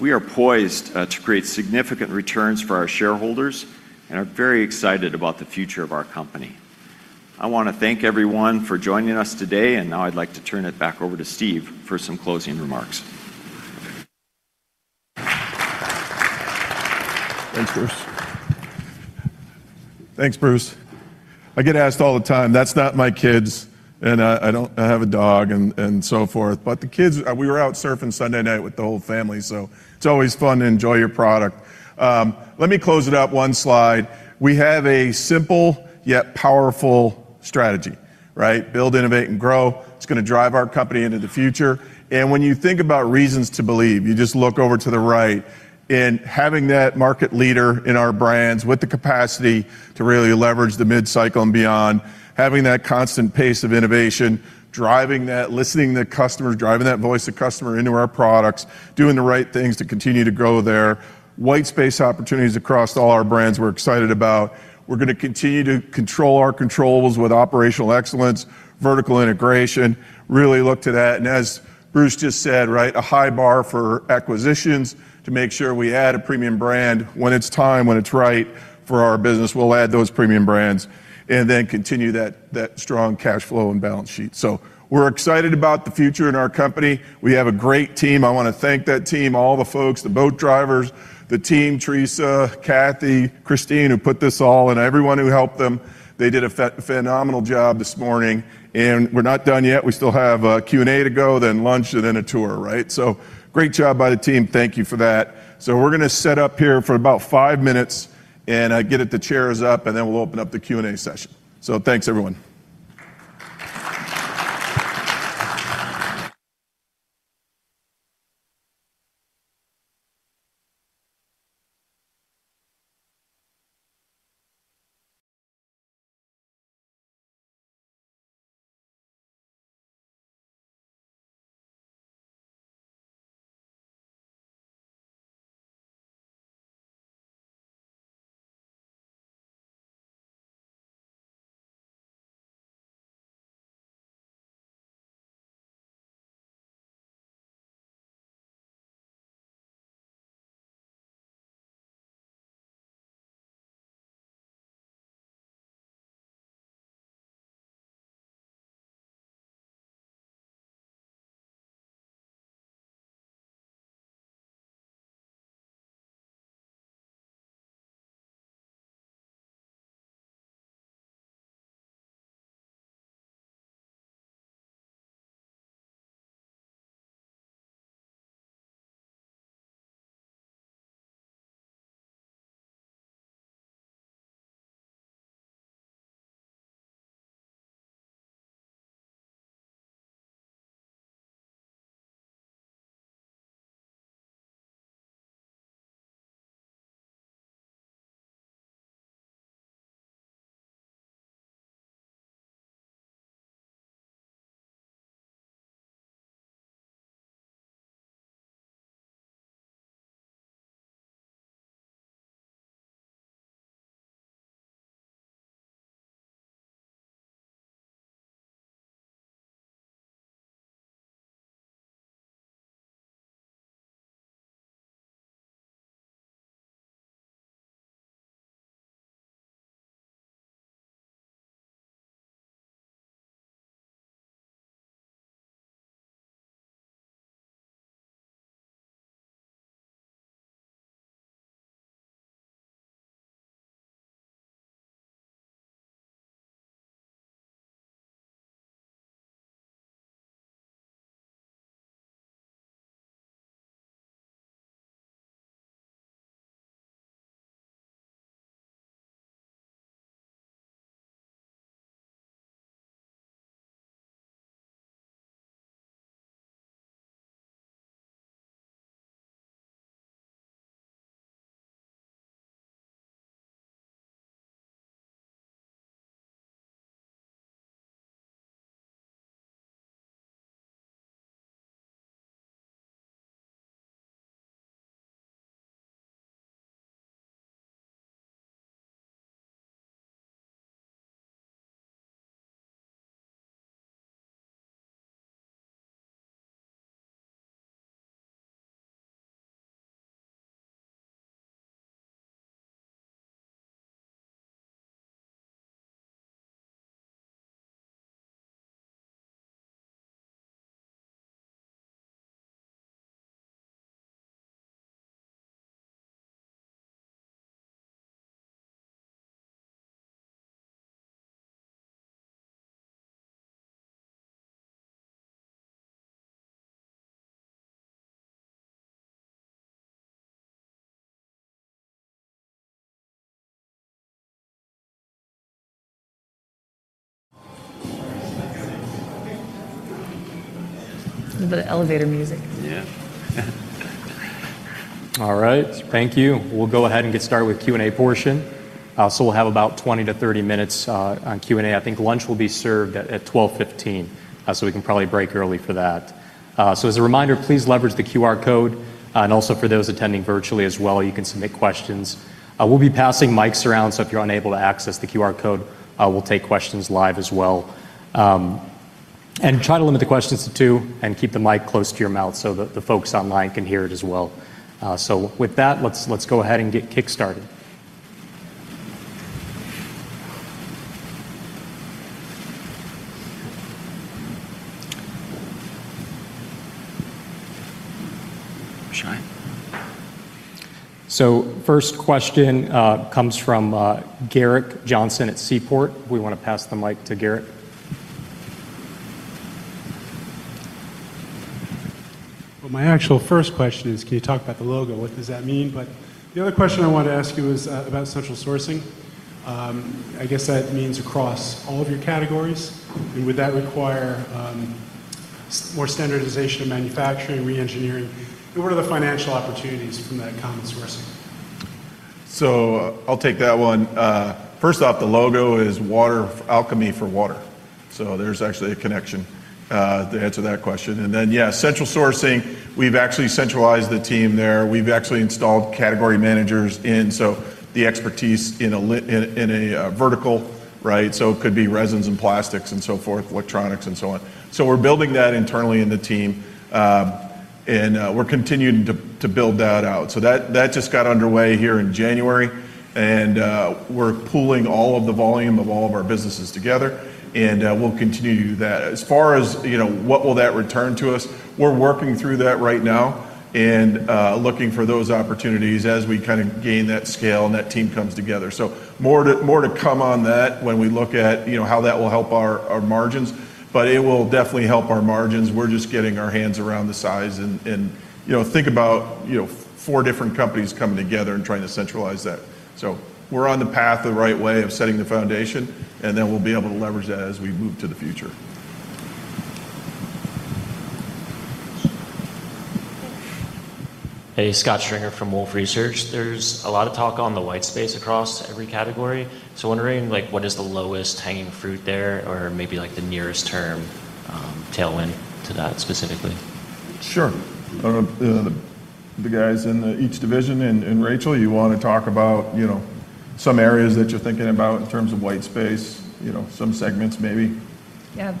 We are poised to create significant returns for our shareholders and are very excited about the future of our company. I want to thank everyone for joining us today. Now I'd like to turn it back over to Steve for some closing remarks. Thanks, Bruce. I get asked all the time, that's not my kids. I don't have a dog and so forth. The kids, we were out surfing Sunday night with the whole family. It's always fun to enjoy your product. Let me close it up one slide. We have a simple yet powerful strategy, right? Build, innovate, and grow. It's going to drive our company into the future. When you think about reasons to believe, you just look over to the right. Having that market leader in our brands with the capacity to really leverage the mid-cycle and beyond, having that constant pace of innovation, driving that, listening to the customers, driving that voice of customer into our products, doing the right things to continue to grow there, white space opportunities across all our brands we're excited about. We're going to continue to control our controls with operational excellence, vertical integration, really look to that. As Bruce just said, a high bar for acquisitions to make sure we add a premium brand when it's time, when it's right for our business. We'll add those premium brands and then continue that strong cash flow and balance sheet. We're excited about the future in our company. We have a great team. I want to thank that team, all the folks, the boat drivers, the team, Teresa, Kathy, Christine, who put this all in, everyone who helped them. They did a phenomenal job this morning. We're not done yet. We still have a Q&A to go, then lunch, and then a tour, right? Great job by the team. Thank you for that. We're going to set up here for about five minutes and get the chairs up. Then we'll open up the Q&A session. Thanks. All right. Thank you. We'll go ahead and get started with the Q&A portion. We'll have about 20-30 minutes on Q&A. I think lunch will be served at 12:15 P.M., so we can probably break early for that. As a reminder, please leverage the QR code. For those attending virtually as well, you can submit questions. We'll be passing mics around. If you're unable to access the QR code, we'll take questions live as well. Try to limit the questions to two and keep the mic close to your mouth so that the folks online can hear it as well. With that, let's go ahead and get kickstarted. Shine? The first question comes from Gerrick Johnson at Seaport. We want to pass the mic to Garrick. My actual first question is, can you talk about the logo? What does that mean? The other question I wanted to ask you was about central sourcing. I guess that means across all of your categories. Would that require more standardization in manufacturing, re-engineering? What are the financial opportunities from that common source? I'll take that one. First off, the logo is Water Alchemy for Water, so there's actually a connection to answer that question. Central sourcing, we've actually centralized the team there. We've actually installed category managers in, so the expertise in a vertical, right? It could be resins and plastics and so forth, electronics and so on. We're building that internally in the team and we're continuing to build that out. That just got underway here in January, and we're pooling all of the volume of all of our businesses together. We'll continue to do that. As far as what will that return to us, we're working through that right now and looking for those opportunities as we kind of gain that scale and that team comes together. More to come on that when we look at how that will help our margins, but it will definitely help our margins. We're just getting our hands around the size. Think about four different companies coming together and trying to centralize that. We're on the path the right way of setting the foundation, and then we'll be able to leverage that as we move to the future. Hey, Scott Stringer from Wolfe Research. There's a lot of talk on the white space across every category. Wondering what is the lowest hanging fruit there or maybe the nearest term tailwind to that specifically? Sure. The guys in each division and Rachel, you want to talk about some areas that you're thinking about in terms of white space, some segments maybe. Yeah.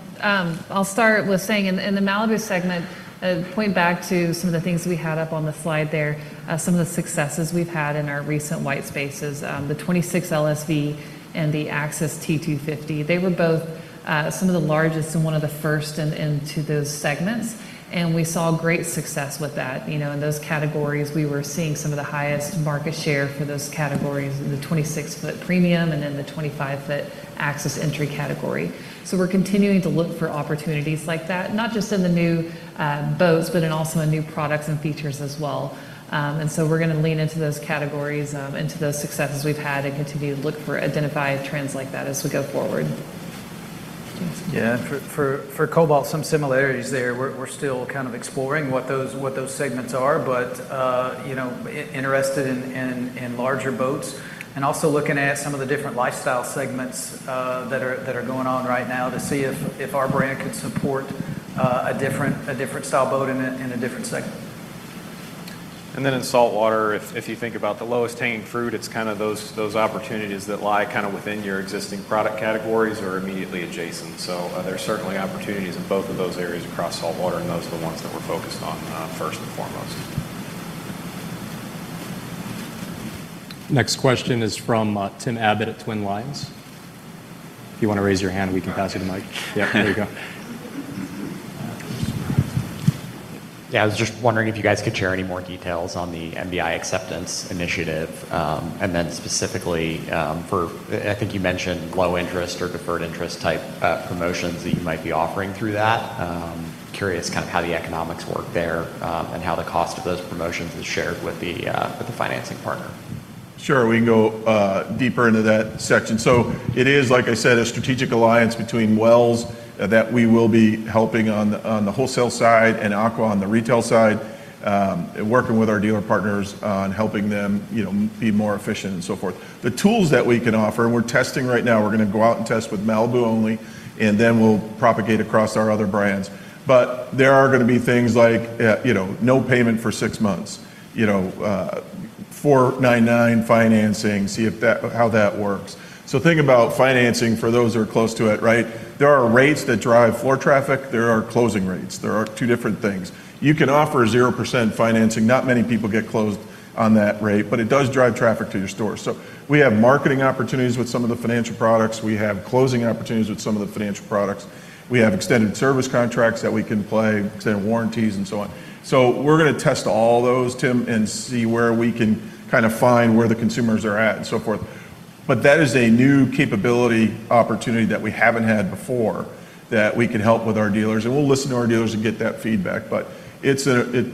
I'll start with saying in the Malibu segment, point back to some of the things that we had up on the slide there, some of the successes we've had in our recent white space opportunities, the 25 LSV and the Axis T250. They were both some of the largest and one of the first into those segments. We saw great success with that. In those categories, we were seeing some of the highest market share for those categories in the 25-foot premium and then the 25-foot Axis entry category. We're continuing to look for opportunities like that, not just in the new boats, but also in new products and features as well. We're going to lean into those categories, into those successes we've had, and continue to look for identified trends like that as we go forward. Yeah. For Cobalt, some similarities there. We're still kind of exploring what those segments are, but, you know, interested in larger boats and also looking at some of the different lifestyle segments that are going on right now to see if our brand could support a different style boat in a different segment. In saltwater, if you think about the lowest hanging fruit, it's kind of those opportunities that lie kind of within your existing product categories or immediately adjacent. There are certainly opportunities in both of those areas across saltwater. Those are the ones that we're focused on first and foremost. Next question is from Tim Abbott at Twin Lions. If you want to raise your hand, we can pass you the mic. Yeah, there you go. Yeah, I was just wondering if you guys could share any more details on the MBI Acceptance initiative and then specifically for, I think you mentioned, low interest or deferred interest type promotions that you might be offering through that. Curious kind of how the economics work there and how the cost of those promotions is shared with the financing partner. Sure. We can go deeper into that section. It is, like I said, a strategic alliance between Wells Fargo that we will be helping on the wholesale side and Aqua Finance on the retail side, working with our dealer partners on helping them be more efficient and so forth. The tools that we can offer, and we're testing right now, we're going to go out and test with Malibu only, then we'll propagate across our other brands. There are going to be things like no payment for six months, 4.99% financing, see how that works. Think about financing for those who are close to it, right? There are rates that drive floor traffic. There are closing rates. They are two different things. You can offer 0% financing. Not many people get closed on that rate, but it does drive traffic to your store. We have marketing opportunities with some of the financial products. We have closing opportunities with some of the financial products. We have extended service contracts that we can play, extended warranties, and so on. We're going to test all those, Tim, and see where we can kind of find where the consumers are at and so forth. That is a new capability opportunity that we haven't had before that we can help with our dealers. We'll listen to our dealers and get that feedback. It's an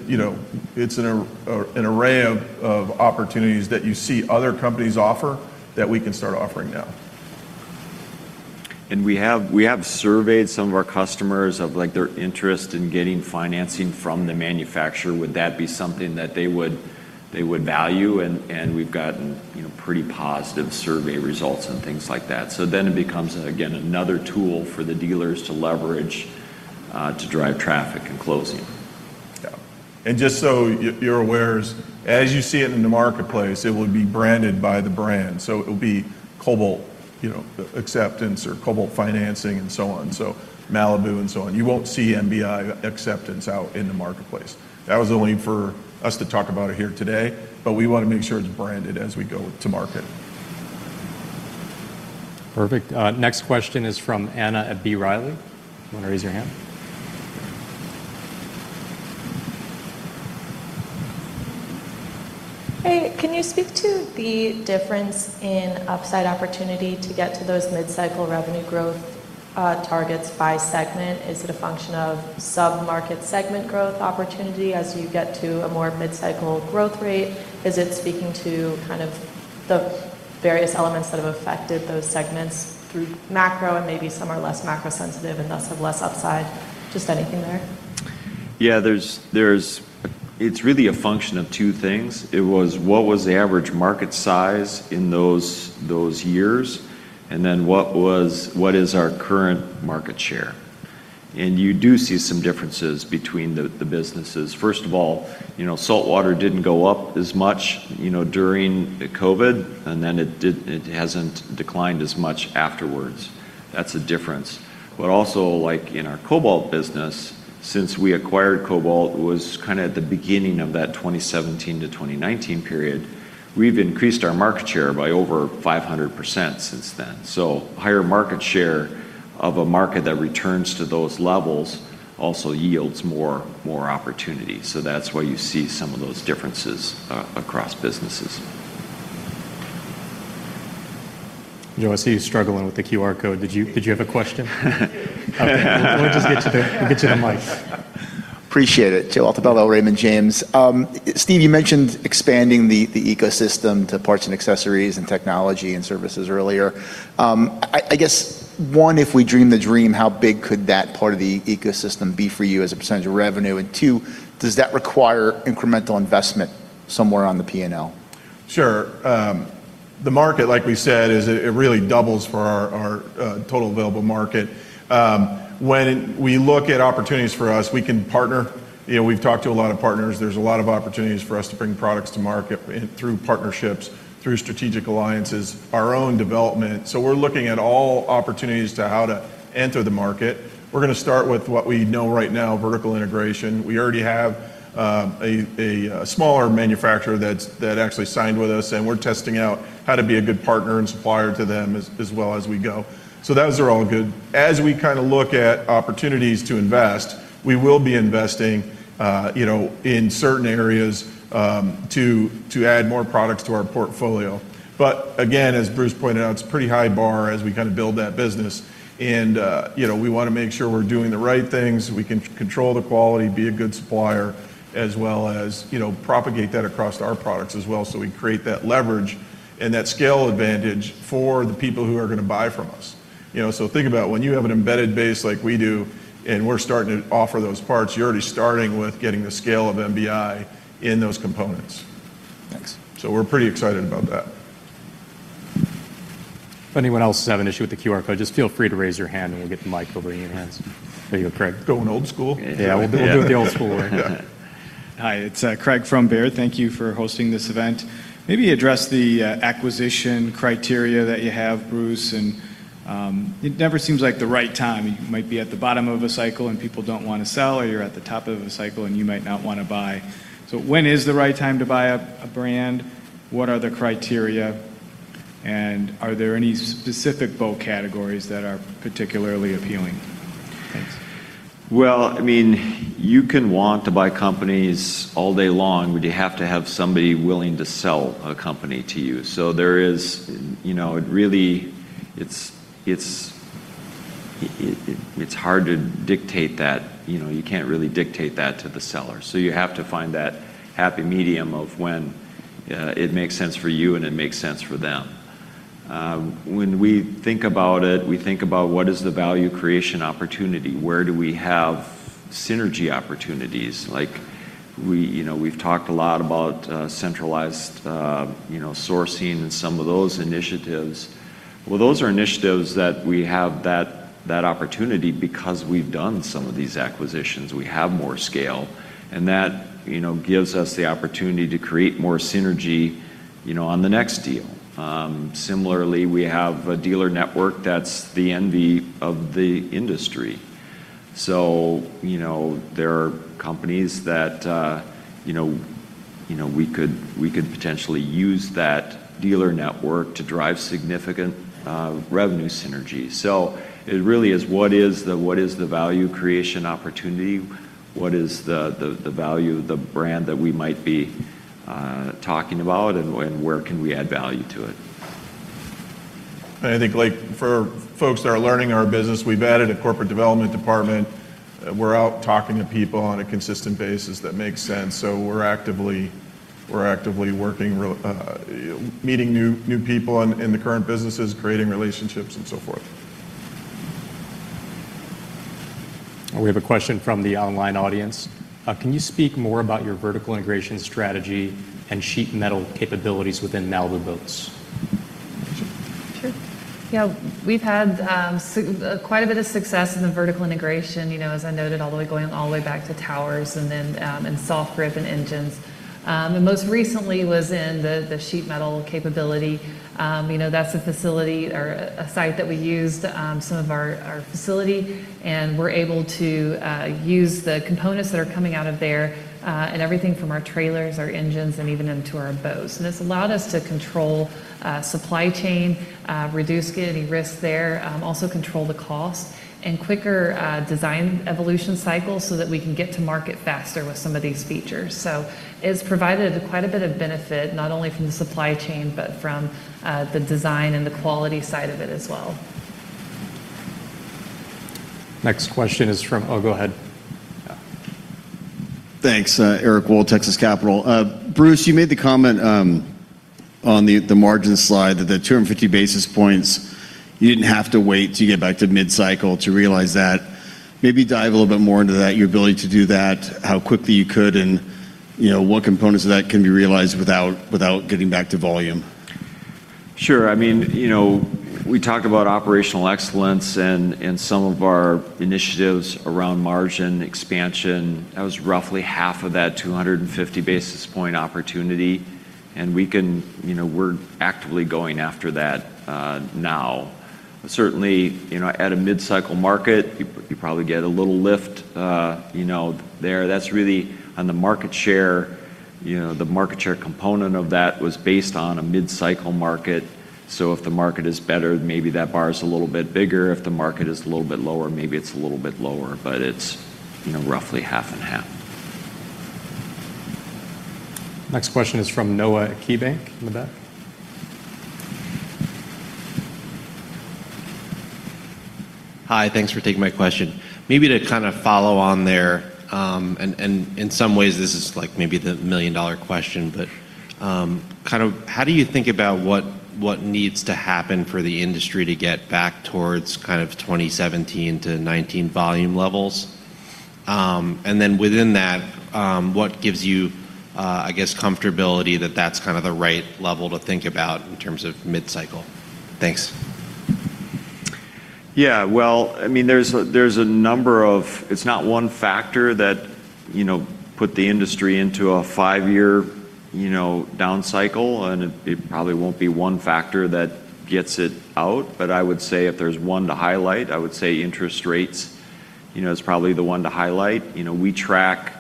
array of opportunities that you see other companies offer that we can start offering now. We have surveyed some of our customers about their interest in getting financing from the manufacturer. Would that be something that they would value? We've gotten pretty positive survey results and things like that. It becomes another tool for the dealers to leverage to drive traffic and closing. Just so you're aware, as you see it in the marketplace, it will be branded by the brand. It will be Cobalt Acceptance or Cobalt Financing and so on, Malibu and so on. You won't see MBI Acceptance out in the marketplace. That was only for us to talk about it here today. We want to make sure it's branded as we go to market. Perfect. Next question is from Anna at B. Riley. You want to raise your hand? Hey, can you speak to the difference in upside opportunity to get to those mid-cycle revenue growth targets by segment? Is it a function of submarket segment growth opportunity as you get to a more mid-cycle growth rate? Is it speaking to kind of the various elements that have affected those segments through macro and maybe some are less macro sensitive and thus have less upside? Just anything there. Yeah, it's really a function of two things. It was what was the average market size in those years? Then what is our current market share? You do see some differences between the businesses. First of all, you know, saltwater didn't go up as much during COVID, and it hasn't declined as much afterwards. That's a difference. Also, like in our Cobalt business, since we acquired Cobalt, it was kind of at the beginning of that 2017 to 2019 period. We've increased our market share by over 500% since then. Higher market share of a market that returns to those levels also yields more opportunity. That's why you see some of those differences across businesses. You know, I see you struggling with the QR code. Did you have a question? We'll just get you the mic. Appreciate it. Jill Altobello, Raymond James. Steve, you mentioned expanding the ecosystem to parts and accessories and technology and services earlier. I guess, one, if we dream the dream, how big could that part of the ecosystem be for you as a potential revenue? Two, does that require incremental investment somewhere on the P&L? Sure. The market, like we said, really doubles for our total available market. When we look at opportunities for us, we can partner. We've talked to a lot of partners. There's a lot of opportunities for us to bring products to market through partnerships, through strategic alliances, our own development. We are looking at all opportunities to how to enter the market. We're going to start with what we know right now, vertical integration. We already have a smaller manufacturer that actually signed with us, and we're testing out how to be a good partner and supplier to them as well as we go. Those are all good. As we kind of look at opportunities to invest, we will be investing in certain areas to add more products to our portfolio. Again, as Bruce Beckman pointed out, it's a pretty high bar as we kind of build that business, and we want to make sure we're doing the right things. We can control the quality, be a good supplier, as well as propagate that across our products as well so we create that leverage and that scale advantage for the people who are going to buy from us. Think about when you have an embedded base like we do and we're starting to offer those parts, you're already starting with getting the scale of Malibu Boats, Inc. in those components. Thanks. We're pretty excited about that. If anyone else has an issue with the QR code, just feel free to raise your hand and we'll get the mic over to you in hand. There you go, Craig. Going old school. Yeah, we'll do it the old school way. Hi, it's Craig from Baird. Thank you for hosting this event. Maybe address the acquisition criteria that you have, Bruce. It never seems like the right time. You might be at the bottom of a cycle and people don't want to sell, or you're at the top of a cycle and you might not want to buy. When is the right time to buy a brand? What are the criteria? Are there any specific boat categories that are particularly appealing? You can want to buy companies all day long, but you have to have somebody willing to sell a company to you. It really, it's hard to dictate that. You can't really dictate that to the seller. You have to find that happy medium of when it makes sense for you and it makes sense for them. When we think about it, we think about what is the value creation opportunity. Where do we have synergy opportunities. We've talked a lot about centralized sourcing and some of those initiatives. Those are initiatives that we have that opportunity because we've done some of these acquisitions. We have more scale, and that gives us the opportunity to create more synergy on the next deal. Similarly, we have a dealer network that's the envy of the industry. There are companies that we could potentially use that dealer network to drive significant revenue synergies. It really is what is the value creation opportunity. What is the value of the brand that we might be talking about, and where can we add value to it. I think for folks that are learning our business, we've added a Corporate Development department. We're out talking to people on a consistent basis that makes sense. We're actively working, meeting new people in the current businesses, creating relationships, and so forth. We have a question from the online audience. Can you speak more about your vertical integration strategy and sheet metal capabilities within Malibu Boats? Sure. Yeah, we've had quite a bit of success in the vertical integration, you know, as I noted, all the way going all the way back to towers and then in soft grips and engines. Most recently was in the sheet metal capability. You know, that's a facility or a site that we used, some of our facility, and we're able to use the components that are coming out of there in everything from our trailers, our engines, and even into our boats. This allowed us to control supply chain, reduce any risk there, also control the cost, and quicker design evolution cycles so that we can get to market faster with some of these features. It has provided quite a bit of benefit, not only from the supply chain, but from the design and the quality side of it as well. Next question is from, go ahead. Thanks. Eric Wold, Texas Capital. Bruce, you made the comment on the margin slide that the 250 basis points, you didn't have to wait to get back to mid-cycle to realize that. Maybe dive a little bit more into that, your ability to do that, how quickly you could, and what components of that can be realized without getting back to volume. Sure. We talked about operational excellence and some of our initiatives around margin expansion. That was roughly half of that 250 basis point opportunity. We are actively going after that now. Certainly, at a mid-cycle market, you probably get a little lift there. That is really on the market share. The market share component of that was based on a mid-cycle market. If the market is better, maybe that bar is a little bit bigger. If the market is a little bit lower, maybe it's a little bit lower. It's roughly half and half. Next question is from Noah at KeyBanc Capital Markets in the back. Hi, thanks for taking my question. Maybe to kind of follow on there, in some ways, this is like maybe the million-dollar question, but how do you think about what needs to happen for the industry to get back towards 2017 to 2019 volume levels? Within that, what gives you, I guess, comfortability that that's the right level to think about in terms of mid-cycle? Thanks. Yeah, I mean, there's a number of, it's not one factor that put the industry into a five-year down cycle. It probably won't be one factor that gets it out. If there's one to highlight, I would say interest rates is probably the one to highlight. We track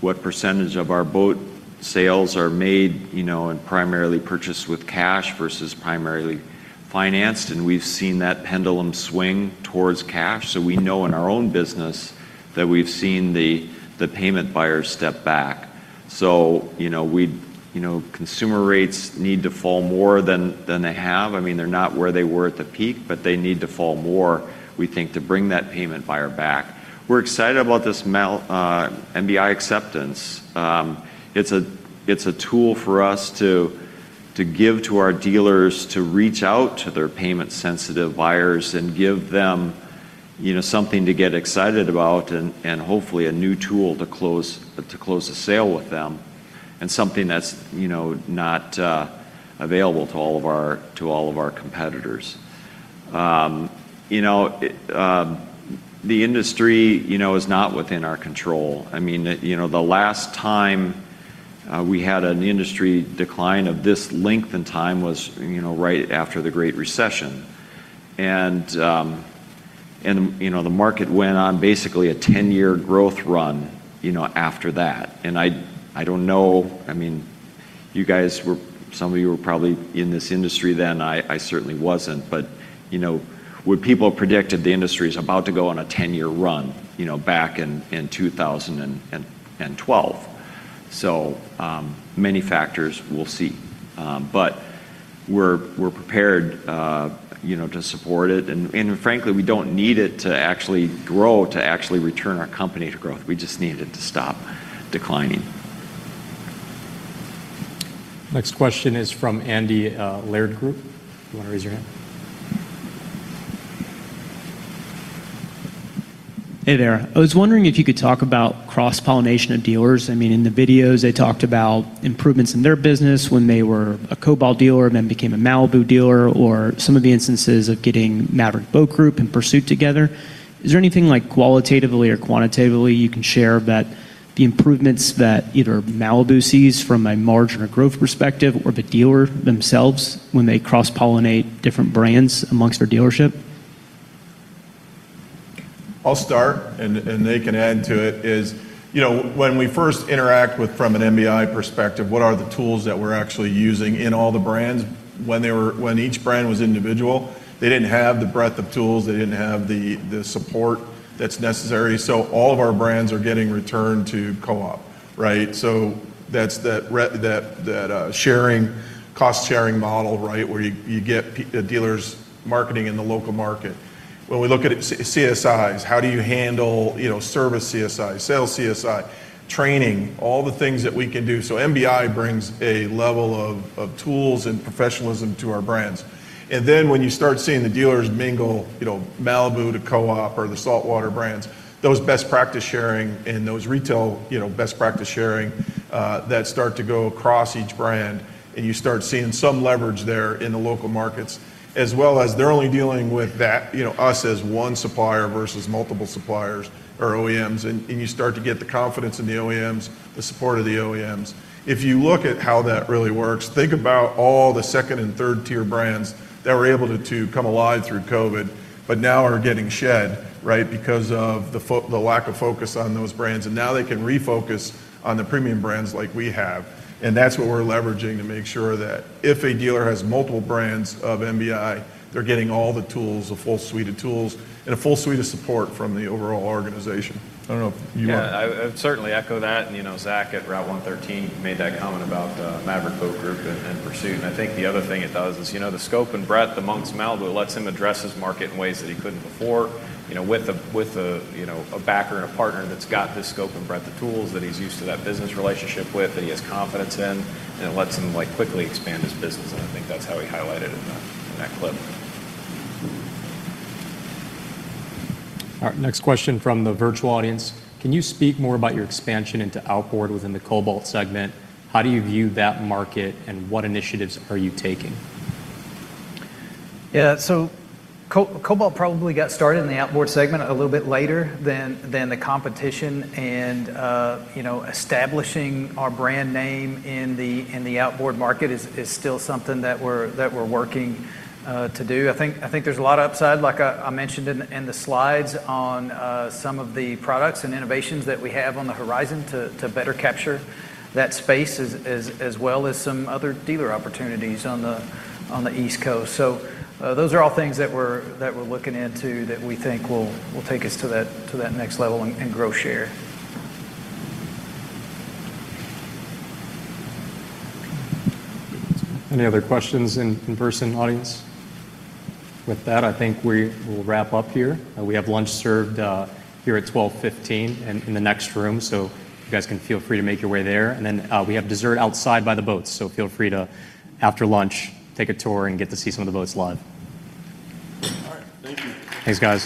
what % of our boat sales are made and primarily purchased with cash versus primarily financed. We've seen that pendulum swing towards cash. We know in our own business that we've seen the payment buyers step back. Consumer rates need to fall more than they have. They're not where they were at the peak, but they need to fall more, we think, to bring that payment buyer back. We're excited about this MBI Acceptance. It's a tool for us to give to our dealers to reach out to their payment-sensitive buyers and give them something to get excited about and hopefully a new tool to close a sale with them and something that's not available to all of our competitors. The industry is not within our control. The last time we had an industry decline of this length in time was right after the Great Recession. The market went on basically a 10-year growth run after that. I don't know, you guys were, some of you were probably in this industry then. I certainly wasn't. Would people have predicted the industry is about to go on a 10-year run back in 2012? So many factors, we'll see. We're prepared to support it. Frankly, we don't need it to actually grow to actually return our company to growth. We just need it to stop declining. Next question is from Baird. You want to raise your hand? Hey there. I was wondering if you could talk about cross-pollination of dealers. I mean, in the videos, they talked about improvements in their business when they were a Cobalt dealer and then became a Malibu dealer, or some of the instances of getting Maverick Boat Group and Pursuit together. Is there anything like qualitatively or quantitatively you can share about the improvements that either Malibu sees from a margin or growth perspective, or the dealer themselves when they cross-pollinate different brands amongst their dealership? I'll start. They can add to it. When we first interact with, from an MBI perspective, what are the tools that we're actually using in all the brands? When each brand was individual, they didn't have the breadth of tools. They didn't have the support that's now. All of our brands are getting returned to co-op, right? That's that sharing cost sharing model, right? Where you get the dealer's marketing in the local market. When we look at CSIs, how do you handle, you know, service CSI, sales CSI, training, all the things that we can do. MBI brings a level of tools and professionalism to our brands. When you start seeing the dealers mingle, you know, Malibu to co-op or the Saltwater brands, those best practice sharing and those retail best practice sharing start to go across each brand. You start seeing some leverage there in the local markets, as well as they're only dealing with us as one supplier versus multiple suppliers or OEMs. You start to get the confidence in the OEMs, the support of the OEMs. If you look at how that really works, think about all the second and third tier brands that were able to come alive through COVID, but now are getting shed, right? Because of the lack of focus on those brands. Now they can refocus on the premium brands like we have. That's what we're leveraging to make sure that if a dealer has multiple brands of MBI, they're getting all the tools, a full suite of tools, and a full suite of support from the overall organization. I don't know if you want to. Yeah, I would certainly echo that. You know, Zach at Route 113 made that comment about Maverick and Pursuit. I think the other thing it does is, you know, the scope and breadth amongst Malibu lets him address his market in ways that he couldn't before. With a backer and a partner that's got this scope and breadth of tools that he's used to that business relationship with, that he has confidence in, it lets him quickly expand his business. I think that's how he highlighted it in that clip. Our next question from the virtual audience. Can you speak more about your expansion into outboard within the Cobalt segment? How do you view that market, and what initiatives are you taking? Yeah, so Cobalt probably got started in the outboard segment a little bit later than the competition. Establishing our brand name in the outboard market is still something that we're working to do. I think there's a lot of upside, like I mentioned in the slides, on some of the products and innovations that we have on the horizon to better capture that space, as well as some other dealer opportunities on the East Coast. Those are all things that we're looking into that we think will take us to that next level and grow share. Any other questions in person audience? With that, I think we will wrap up here. We have lunch served here at 12:15 P.M. and in the next room. You guys can feel free to make your way there. We have dessert outside by the boats. Feel free to, after lunch, take a tour and get to see some of the boats live. Thanks, guys.